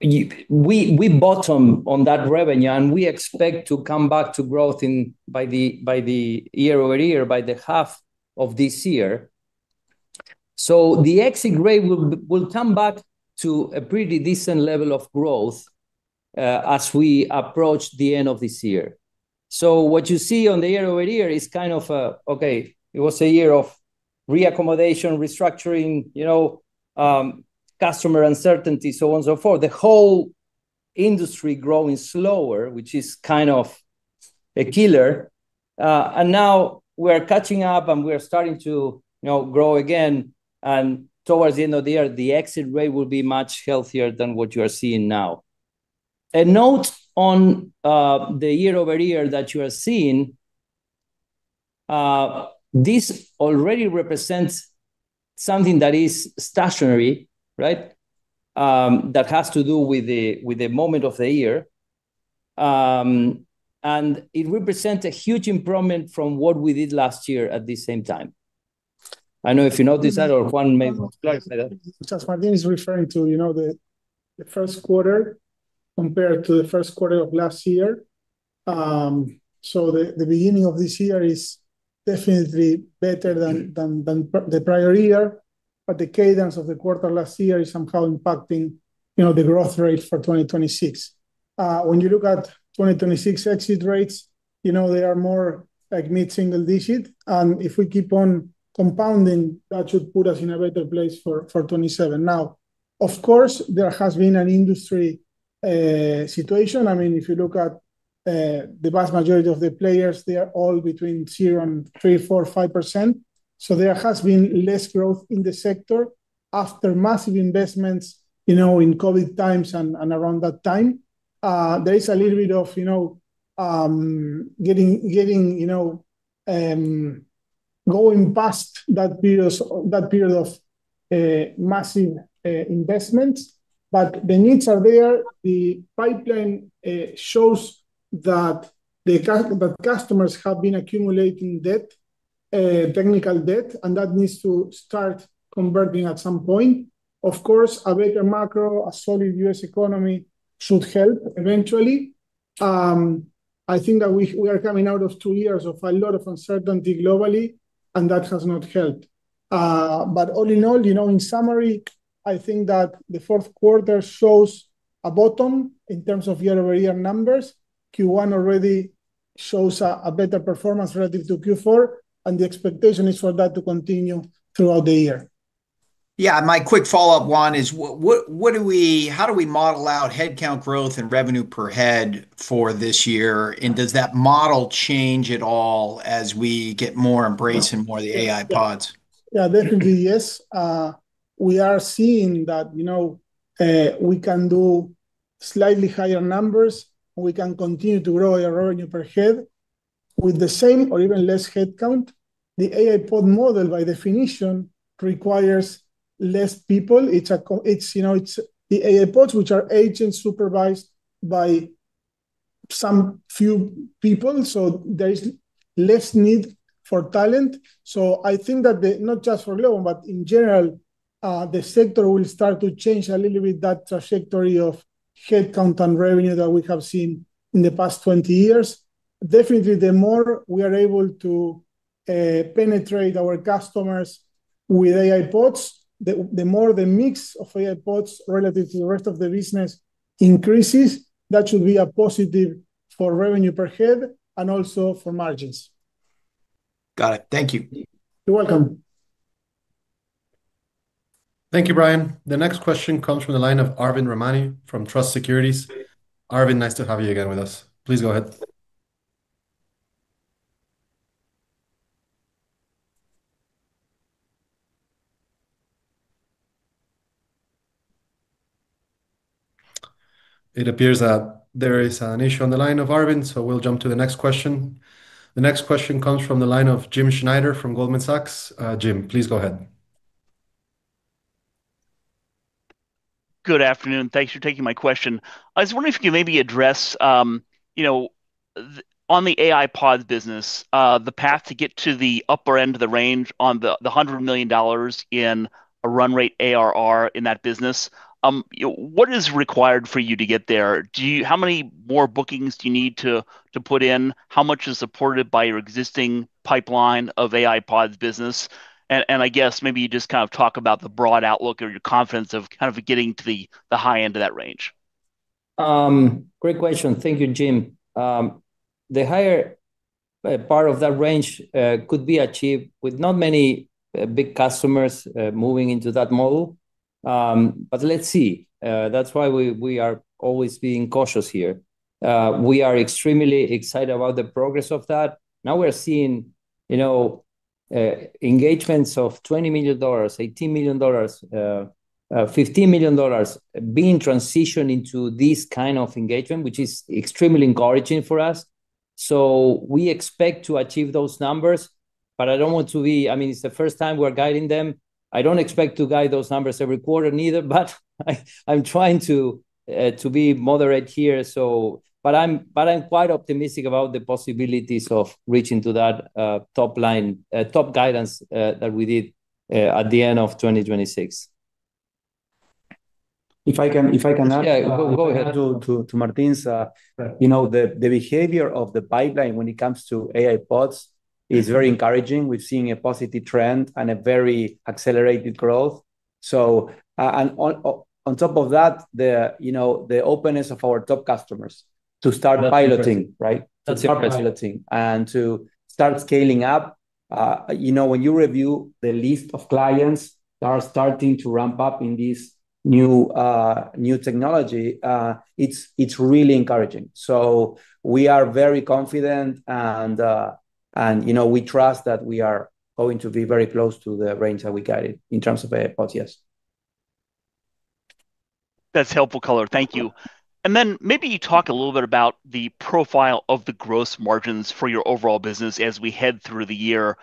we bottomed on that revenue. We expect to come back to growth by the year-over-year, by the half of this year. The exit rate will come back to a pretty decent level of growth as we approach the end of this year. What you see on the year-over-year is kind of a, "Okay, it was a year of reaccommodation, restructuring, customer uncertainty, so on and so forth." The whole industry growing slower, which is kind of a killer. Now we are catching up, and we are starting to grow again. Towards the end of the year, the exit rate will be much healthier than what you are seeing now. A note on the year-over-year that you are seeing, this already represents something that is stationary, right, that has to do with the moment of the year. It represents a huge improvement from what we did last year at the same time. I don't know if you noticed that or Juan may clarify that. Just as Martín is referring to, the first quarter compared to the first quarter of last year. The beginning of this year is definitely better than the prior year. The cadence of the quarter last year is somehow impacting the growth rate for 2026. When you look at 2026 exit rates, they are more mid-single digit. If we keep on compounding, that should put us in a better place for 2027. Of course, there has been an industry situation. I mean, if you look at the vast majority of the players, they are all between 0% and 3%, 4%, 5%. There has been less growth in the sector after massive investments in COVID times and around that time. There is a little bit of getting going past that period of massive investments. The needs are there. The pipeline shows that customers have been accumulating debt, technical debt, that needs to start converting at some point. Of course, a better macro, a solid U.S. economy should help eventually. I think that we are coming out of two years of a lot of uncertainty globally, that has not helped. All in all, in summary, I think that the fourth quarter shows a bottom in terms of year-over-year numbers. Q1 already shows a better performance relative to Q4. The expectation is for that to continue throughout the year. Yeah. My quick follow-up, Juan, is how do we model out headcount growth and revenue per head for this year? Does that model change at all as we get more embracing more of the AI Pods? Yeah, definitely, yes. We are seeing that we can do slightly higher numbers. We can continue to grow our revenue per head with the same or even less headcount. The AI pod model, by definition, requires less people. It's the AI Pods, which are agents supervised by some few people. There is less need for talent. I think that not just for Globant, but in general, the sector will start to change a little bit that trajectory of headcount and revenue that we have seen in the past 20 years. Definitely, the more we are able to penetrate our customers with AI Pods, the more the mix of AI Pods relative to the rest of the business increases. That should be a positive for revenue per head and also for margins. Got it. Thank you. You're welcome. Thank you, Brian. The next question comes from the line of Arvind Ramnani from Truist Securities. Arvind, nice to have you again with us. Please go ahead. It appears that there is an issue on the line of Arvind, so we'll jump to the next question. The next question comes from the line of Jim Schneider from Goldman Sachs. Jim, please go ahead. Good afternoon. Thanks for taking my question. I was wondering if you could maybe address, on the AI Pods business, the path to get to the upper end of the range on the $100 million in a run rate ARR in that business. What is required for you to get there? How many more bookings do you need to put in? How much is supported by your existing pipeline of AI Pods business? I guess maybe you just kind of talk about the broad outlook or your confidence of kind of getting to the high end of that range. Great question. Thank you, Jim. The higher part of that range could be achieved with not many big customers moving into that model. Let's see. That's why we are always being cautious here. We are extremely excited about the progress of that. Now we are seeing engagements of $20 million, $18 million, $15 million being transitioned into this kind of engagement, which is extremely encouraging for us. We expect to achieve those numbers. I don't want to be I mean, it's the first time we're guiding them. I don't expect to guide those numbers every quarter either. I'm trying to be moderate here. I'm quite optimistic about the possibilities of reaching to that top guidance that we did at the end of 2026. If I can add to Martín's, the behavior of the pipeline when it comes to AI Pods is very encouraging. We're seeing a positive trend and a very accelerated growth. On top of that, the openness of our top customers to start piloting, right, to start piloting, and to start scaling up. When you review the list of clients that are starting to ramp up in this new technology, it's really encouraging. We are very confident. We trust that we are going to be very close to the range that we guided in terms of AI Pods, yes. That's helpful color. Thank you. Then maybe you talk a little bit about the profile of the gross margins for your overall business as we head through the year.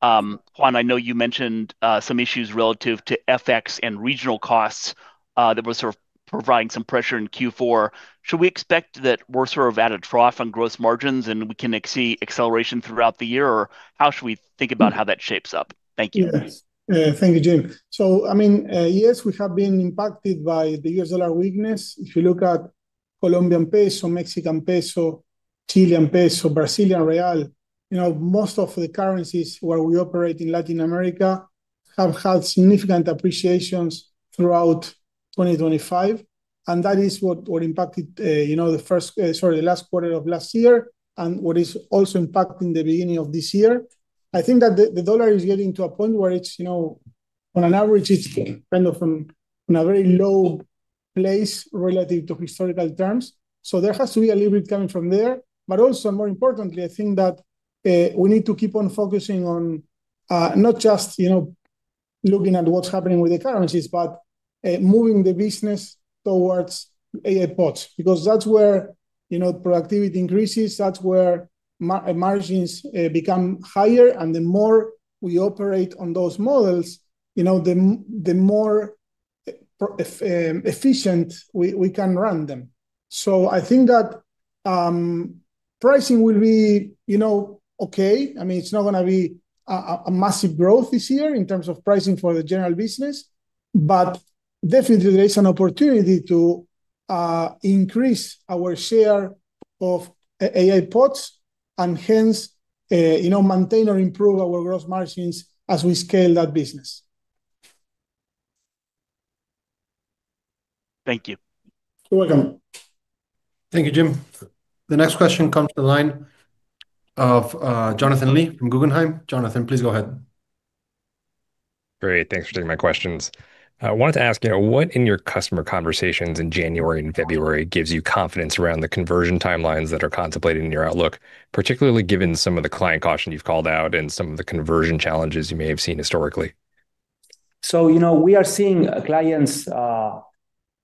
Juan, I know you mentioned some issues relative to FX and regional costs that were sort of providing some pressure in Q4. Should we expect that we're sort of at a trough on gross margins, and we can see acceleration throughout the year? Or how should we think about how that shapes up? Thank you. Yes. Thank you, Jim. I mean, yes, we have been impacted by the U.S. dollar weakness. If you look at Colombian peso, Mexican peso, Chilean peso, Brazilian real, most of the currencies where we operate in Latin America have had significant appreciations throughout 2025. That is what impacted the last quarter of last year and what is also impacting the beginning of this year. I think that the dollar is getting to a point where on average, it's kind of in a very low place relative to historical terms. There has to be a little bit coming from there. Also, more importantly, I think that we need to keep on focusing on not just looking at what's happening with the currencies, but moving the business towards AI Pods because that's where productivity increases. That's where margins become higher. The more we operate on those models, the more efficient we can run them. I think that pricing will be okay. I mean, it's not going to be a massive growth this year in terms of pricing for the general business. Definitely, there is an opportunity to increase our share of AI Pods and hence maintain or improve our gross margins as we scale that business. Thank you. You're welcome. Thank you, Jim. The next question comes from the line of Jonathan Lee from Guggenheim. Jonathan, please go ahead. Great. Thanks for taking my questions. I wanted to ask, what in your customer conversations in January and February gives you confidence around the conversion timelines that are contemplated in your outlook, particularly given some of the client caution you've called out and some of the conversion challenges you may have seen historically? We are seeing clients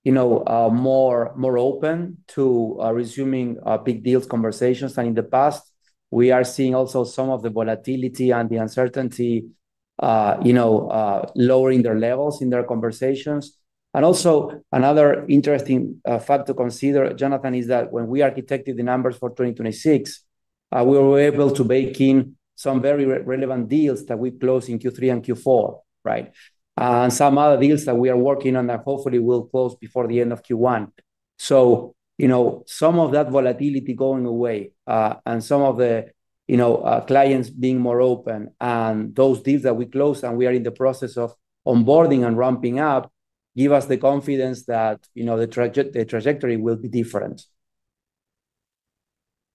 more open to resuming big deals conversations. In the past, we are seeing also some of the volatility and the uncertainty lowering their levels in their conversations. Another interesting fact to consider, Jonathan, is that when we architected the numbers for 2026, we were able to bake in some very relevant deals that we closed in Q3 and Q4, right, and some other deals that we are working on that hopefully will close before the end of Q1. Some of that volatility going away and some of the clients being more open and those deals that we closed and we are in the process of onboarding and ramping up give us the confidence that the trajectory will be different.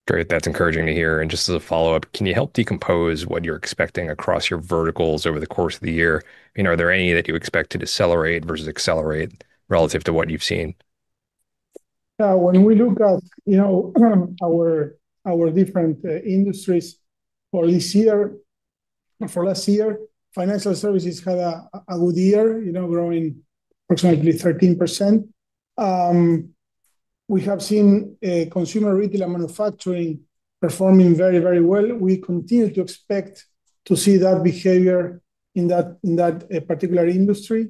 Great. That's encouraging to hear. Just as a follow-up, can you help decompose what you're expecting across your verticals over the course of the year? Are there any that you expect to decelerate versus accelerate relative to what you've seen? Yeah. When we look at our different industries for this year or for last year, financial services had a good year, growing approximately 13%. We have seen consumer retail and manufacturing performing very, very well. We continue to expect to see that behavior in that particular industry.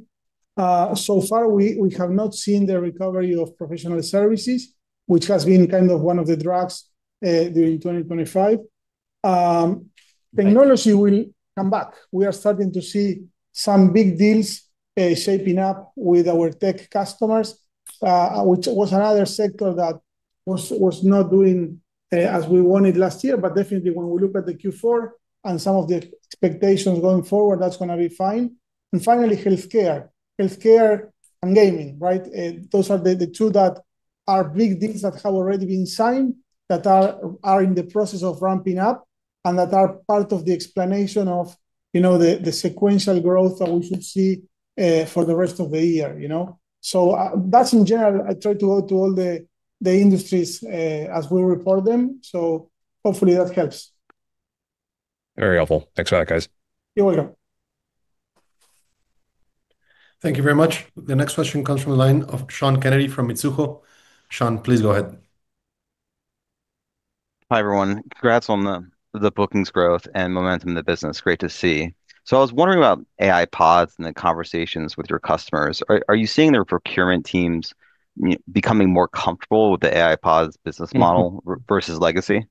Far, we have not seen the recovery of professional services, which has been kind of one of the drugs during 2025. Technology will come back. We are starting to see some big deals shaping up with our tech customers, which was another sector that was not doing as we wanted last year. Definitely, when we look at the Q4 and some of the expectations going forward, that's going to be fine. Finally, healthcare and gaming, right? Those are the two that are big deals that have already been signed that are in the process of ramping up and that are part of the explanation of the sequential growth that we should see for the rest of the year. That's, in general, I try to go to all the industries as we report them. Hopefully, that helps. Very helpful. Thanks for that, guys. You're welcome. Thank you very much. The next question comes from the line of Sean Kennedy from Mizuho. Sean, please go ahead. Hi, everyone. Congrats on the bookings growth and momentum in the business. Great to see. I was wondering about AI Pods and the conversations with your customers. Are you seeing their procurement teams becoming more comfortable with the AI Pods business model versus legacy?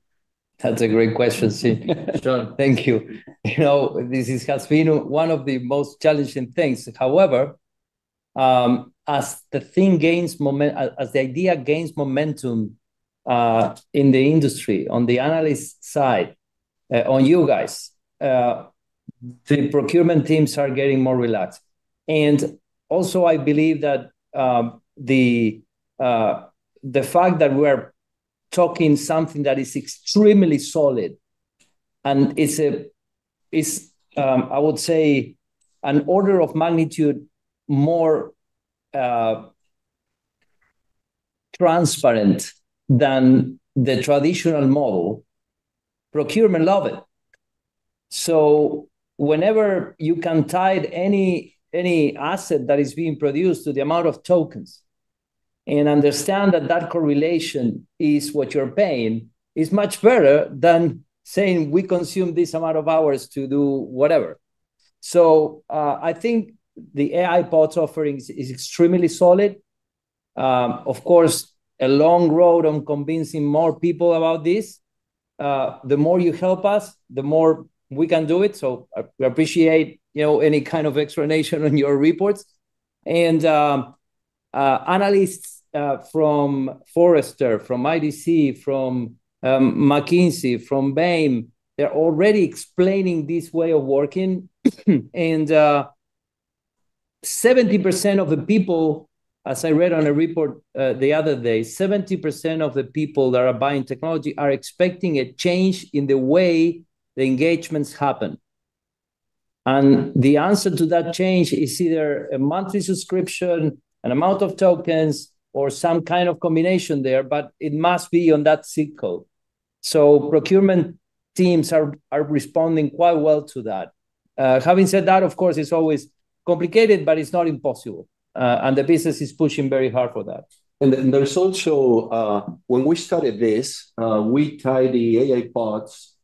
That's a great question, Sean. Sean, thank you. This has been one of the most challenging things. As the idea gains momentum in the industry, on the analyst side, on you guys, the procurement teams are getting more relaxed. Also, I believe that the fact that we are talking something that is extremely solid, and it's, I would say, an order of magnitude more transparent than the traditional model, procurement love it. Whenever you can tie any asset that is being produced to the amount of tokens and understand that that correlation is what you're paying is much better than saying, "We consume this amount of hours to do whatever." I think the AI Pods offering is extremely solid. Of course, a long road on convincing more people about this. The more you help us, the more we can do it. We appreciate any kind of explanation on your reports. Analysts from Forrester, from IDC, from McKinsey, from Bain, they're already explaining this way of working. 70% of the people, as I read on a report the other day, 70% of the people that are buying technology are expecting a change in the way the engagements happen. The answer to that change is either a monthly subscription, an amount of tokens, or some kind of combination there. It must be on that seed code. Procurement teams are responding quite well to that. Having said that, of course, it's always complicated, but it's not impossible. The business is pushing very hard for that. There's also when we started this, we tied the AI Pods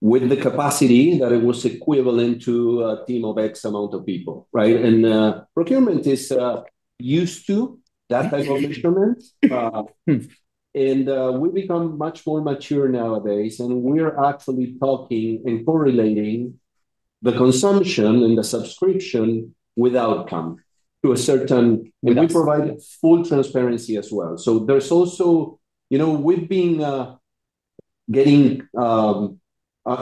with the capacity that it was equivalent to a team of X amount of people, right? Procurement is used to that type of measurement. We become much more mature nowadays. We are actually talking and correlating the consumption and the subscription with outcome, and we provide full transparency as well. There's also we've been getting a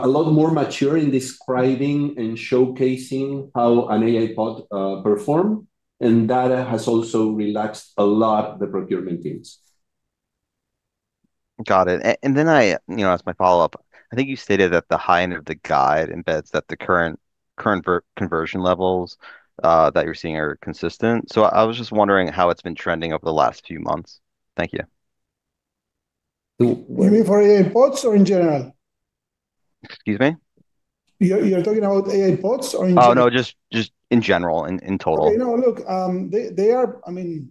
lot more mature in describing and showcasing how an AI Pod performs. That has also relaxed a lot the procurement teams. Got it. As my follow-up, I think you stated that the high end of the guide embeds that the current conversion levels that you're seeing are consistent. I was just wondering how it's been trending over the last few months. Thank you. Wait a minute. For AI Pods or in general? Excuse me? You're talking about AI Pods or in general? Oh, no. Just in general, in total. Okay. No, look, they are I mean,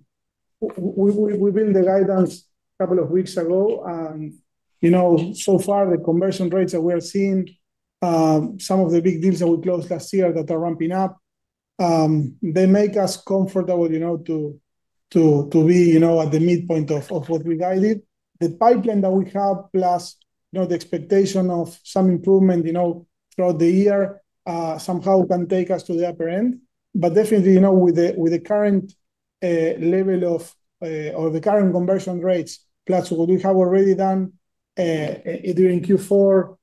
we've been in the guidance a couple of weeks ago. So far, the conversion rates that we are seeing, some of the big deals that we closed last year that are ramping up, they make us comfortable to be at the midpoint of what we guided. The pipeline that we have, plus the expectation of some improvement throughout the year, somehow can take us to the upper end. Definitely, with the current conversion rates, plus what we have already done during Q4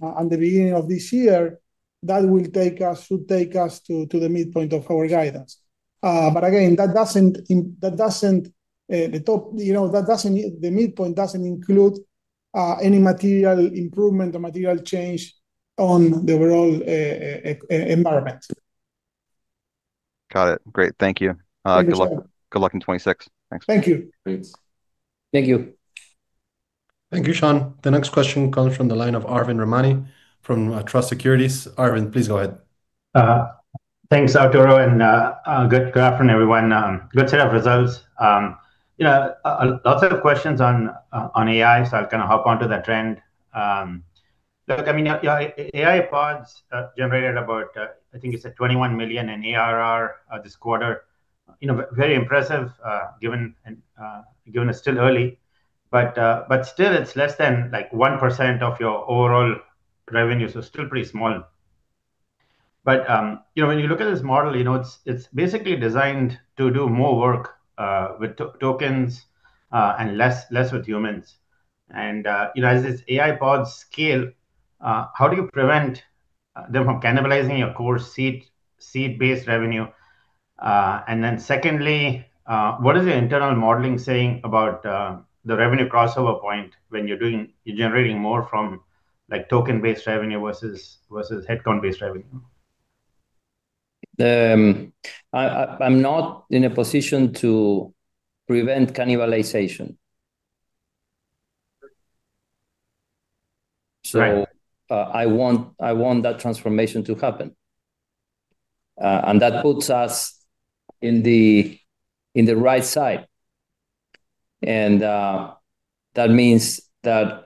and the beginning of this year, that should take us to the midpoint of our guidance. Again, that doesn't the midpoint doesn't include any material improvement or material change on the overall environment. Got it. Great. Thank you. Good luck. Good luck in 2026. Thanks. Thank you. Thanks. Thank you. Thank you, Sean. The next question comes from the line of Arvind Ramnani from Truist Securities. Arvind, please go ahead. Thanks, Arturo. Good afternoon, everyone. Good set of results. Lots of questions on AI. I'll kind of hop onto that trend. Look, I mean, AI Pods generated about, I think you said, $21 million in ARR this quarter. Very impressive given it's still early. Still, it's less than 1% of your overall revenue. Still pretty small. When you look at this model, it's basically designed to do more work with tokens and less with humans. As these AI Pods scale, how do you prevent them from cannibalizing your core seed-based revenue? Secondly, what is your internal modeling saying about the revenue crossover point when you're generating more from token-based revenue versus headcount-based revenue? I'm not in a position to prevent cannibalization. I want that transformation to happen. That puts us in the right side. That means that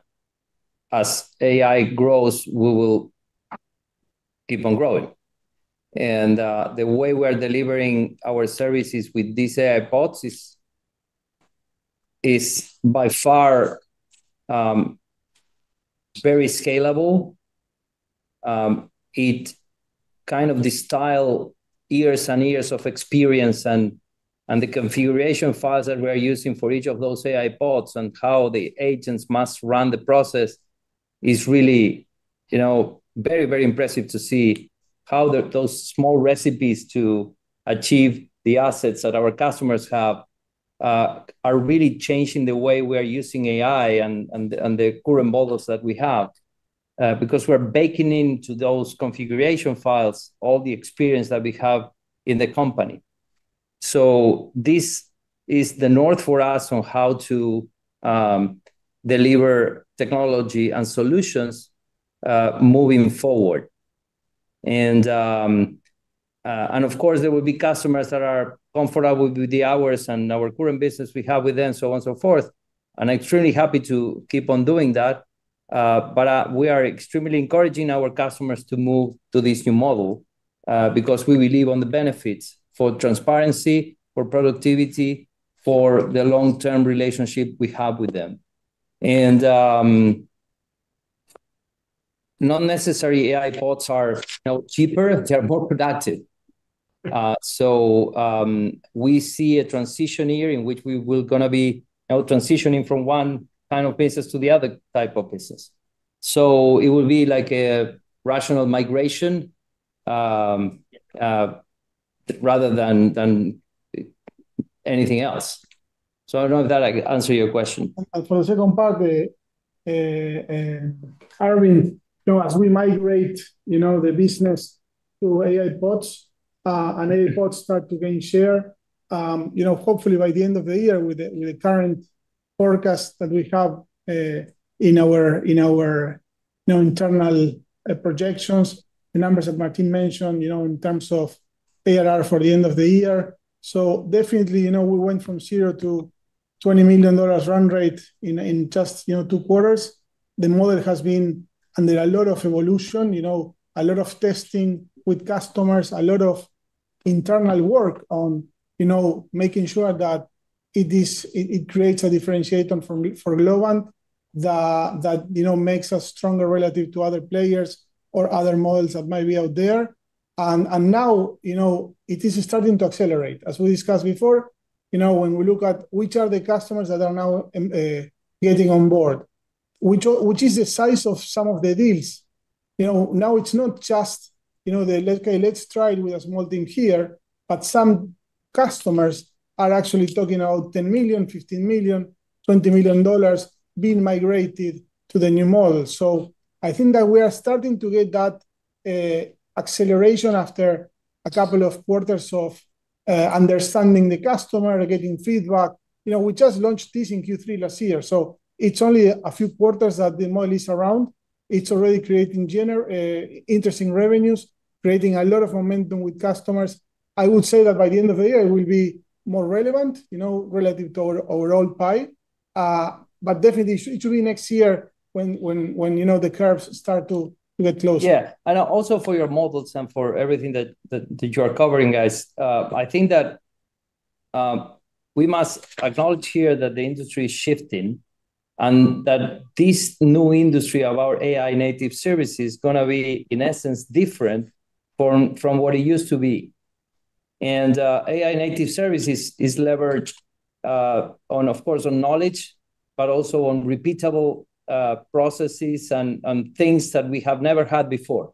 as AI grows, we will keep on growing. The way we're delivering our services with these AI Pods is by far very scalable. Kind of the style, years and years of experience, and the configuration files that we are using for each of those AI Pods and how the agents must run the process is really very, very impressive to see how those small recipes to achieve the assets that our customers have are really changing the way we are using AI and the current models that we have because we're baking into those configuration files all the experience that we have in the company. This is the north for us on how to deliver technology and solutions moving forward. Of course, there will be customers that are comfortable with the hours and our current business we have with them, so on and so forth. I'm extremely happy to keep on doing that. We are extremely encouraging our customers to move to this new model because we believe on the benefits for transparency, for productivity, for the long-term relationship we have with them. Not necessarily AI Pods are cheaper. They are more productive. We see a transition year in which we will going to be transitioning from one kind of business to the other type of business. It will be like a rational migration rather than anything else. I don't know if that answers your question. For the second part, Arvind, as we migrate the business to AI Pods and AI Pods start to gain share, hopefully, by the end of the year with the current forecast that we have in our internal projections, the numbers that Martín mentioned in terms of ARR for the end of the year. Definitely, we went from 0 to $20 million run rate in just two quarters. The model has been and there are a lot of evolution, a lot of testing with customers, a lot of internal work on making sure that it creates a differentiator for Globant that makes us stronger relative to other players or other models that might be out there. Now, it is starting to accelerate. As we discussed before, when we look at which are the customers that are now getting on board, which is the size of some of the deals, now it's not just the, "Okay, let's try it with a small team here." Some customers are actually talking about $10 million, $15 million, $20 million being migrated to the new model. I think that we are starting to get that acceleration after a couple of quarters of understanding the customer, getting feedback. We just launched this in Q3 last year. It's only a few quarters that the model is around. It's already creating interesting revenues, creating a lot of momentum with customers. I would say that by the end of the year, it will be more relevant relative to our overall pie. Definitely, it should be next year when the curves start to get closer. Yeah. Also for your models and for everything that you are covering, guys, I think that we must acknowledge here that the industry is shifting and that this new industry of our AI-native service is going to be, in essence, different from what it used to be. AI-native service is leveraged, of course, on knowledge, but also on repeatable processes and things that we have never had before.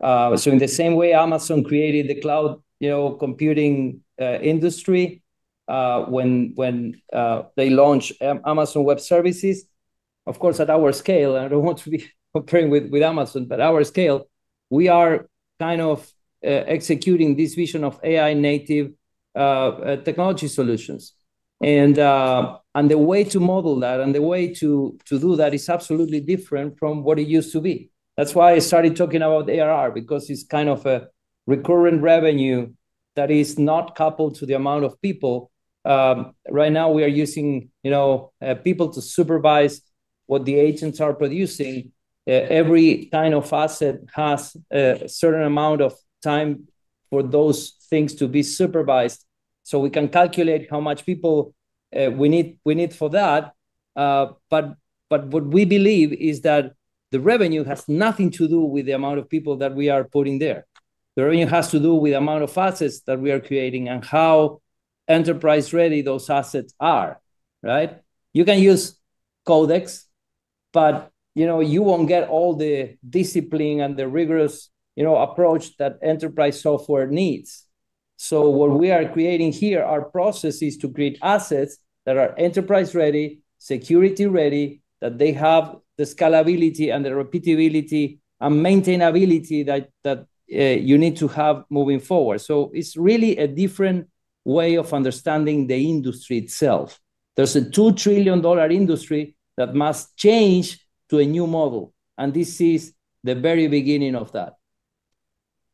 In the same way, Amazon created the cloud computing industry when they launched Amazon Web Services. Of course, at our scale and I don't want to be comparing with Amazon, but our scale, we are kind of executing this vision of AI-native technology solutions. The way to model that and the way to do that is absolutely different from what it used to be. That's why I started talking about ARR because it's kind of a recurrent revenue that is not coupled to the amount of people. Right now, we are using people to supervise what the agents are producing. Every kind of asset has a certain amount of time for those things to be supervised so we can calculate how much people we need for that. What we believe is that the revenue has nothing to do with the amount of people that we are putting there. The revenue has to do with the amount of assets that we are creating and how enterprise-ready those assets are, right? You can use Codex, but you won't get all the discipline and the rigorous approach that enterprise software needs. What we are creating here, our process is to create assets that are enterprise-ready, security-ready, that they have the scalability and the repeatability and maintainability that you need to have moving forward. It's really a different way of understanding the industry itself. There's a $2 trillion industry that must change to a new model. This is the very beginning of that.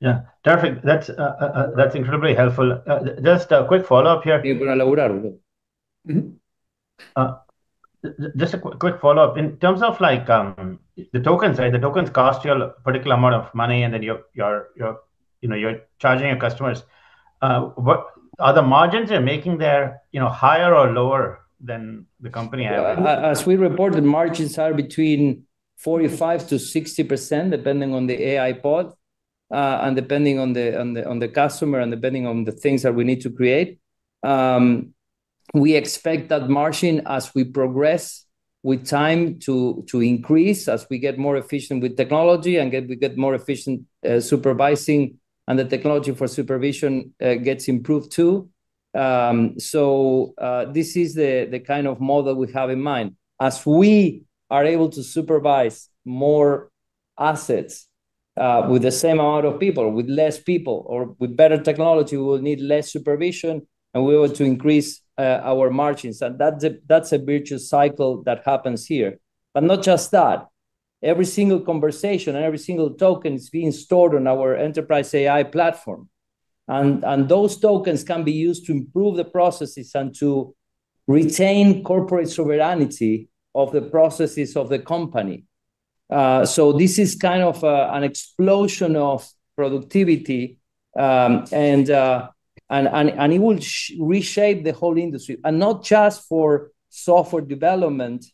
Yeah. Terrific. That's incredibly helpful. Just a quick follow-up here. You're going to labor, Arturo. Just a quick follow-up. In terms of the tokens, right, the tokens cost you a particular amount of money, and then you're charging your customers, are the margins you're making there higher or lower than the company average? As we report, the margins are between 45%-60% depending on the AI Pod and depending on the customer and depending on the things that we need to create. We expect that margin, as we progress with time, to increase as we get more efficient with technology and we get more efficient supervising and the technology for supervision gets improved too. This is the kind of model we have in mind. As we are able to supervise more assets with the same amount of people, with less people or with better technology, we will need less supervision, and we will have to increase our margins. That's a virtuous cycle that happens here. Not just that. Every single conversation and every single token is being stored on our Enterprise AI platform. Those tokens can be used to improve the processes and to retain corporate sovereignty of the processes of the company. This is kind of an explosion of productivity. It will reshape the whole industry. Not just for software development.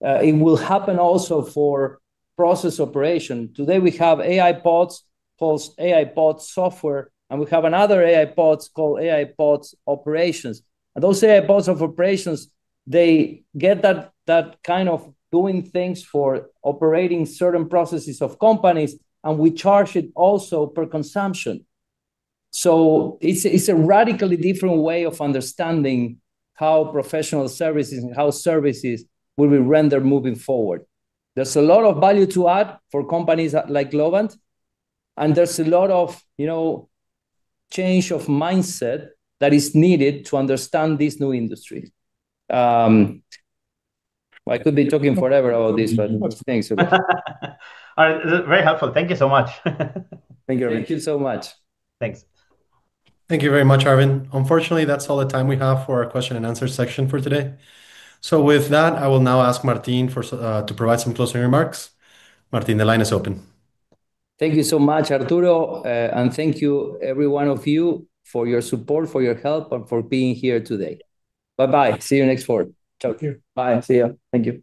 It will happen also for process operation. Today, we have AI Pods called AI Pods Software, and we have another AI Pods called AI Pods Operations. Those AI Pods of Operations, they get that kind of doing things for operating certain processes of companies, and we charge it also per consumption. It's a radically different way of understanding how professional services and how services will be rendered moving forward. There's a lot of value to add for companies like Globant. There's a lot of change of mindset that is needed to understand this new industry. I could be talking forever about this, but thanks so much. All right. Very helpful. Thank you so much. Thank you, Arvind. Thank you so much. Thanks. Thank you very much, Arvind. Unfortunately, that's all the time we have for our question and answer section for today. With that, I will now ask Martín to provide some closing remarks. Martín, the line is open. Thank you so much, Arturo. Thank you, every one of you, for your support, for your help, and for being here today. Bye-bye. See you next forum. Thank you. Bye. See you. Thank you.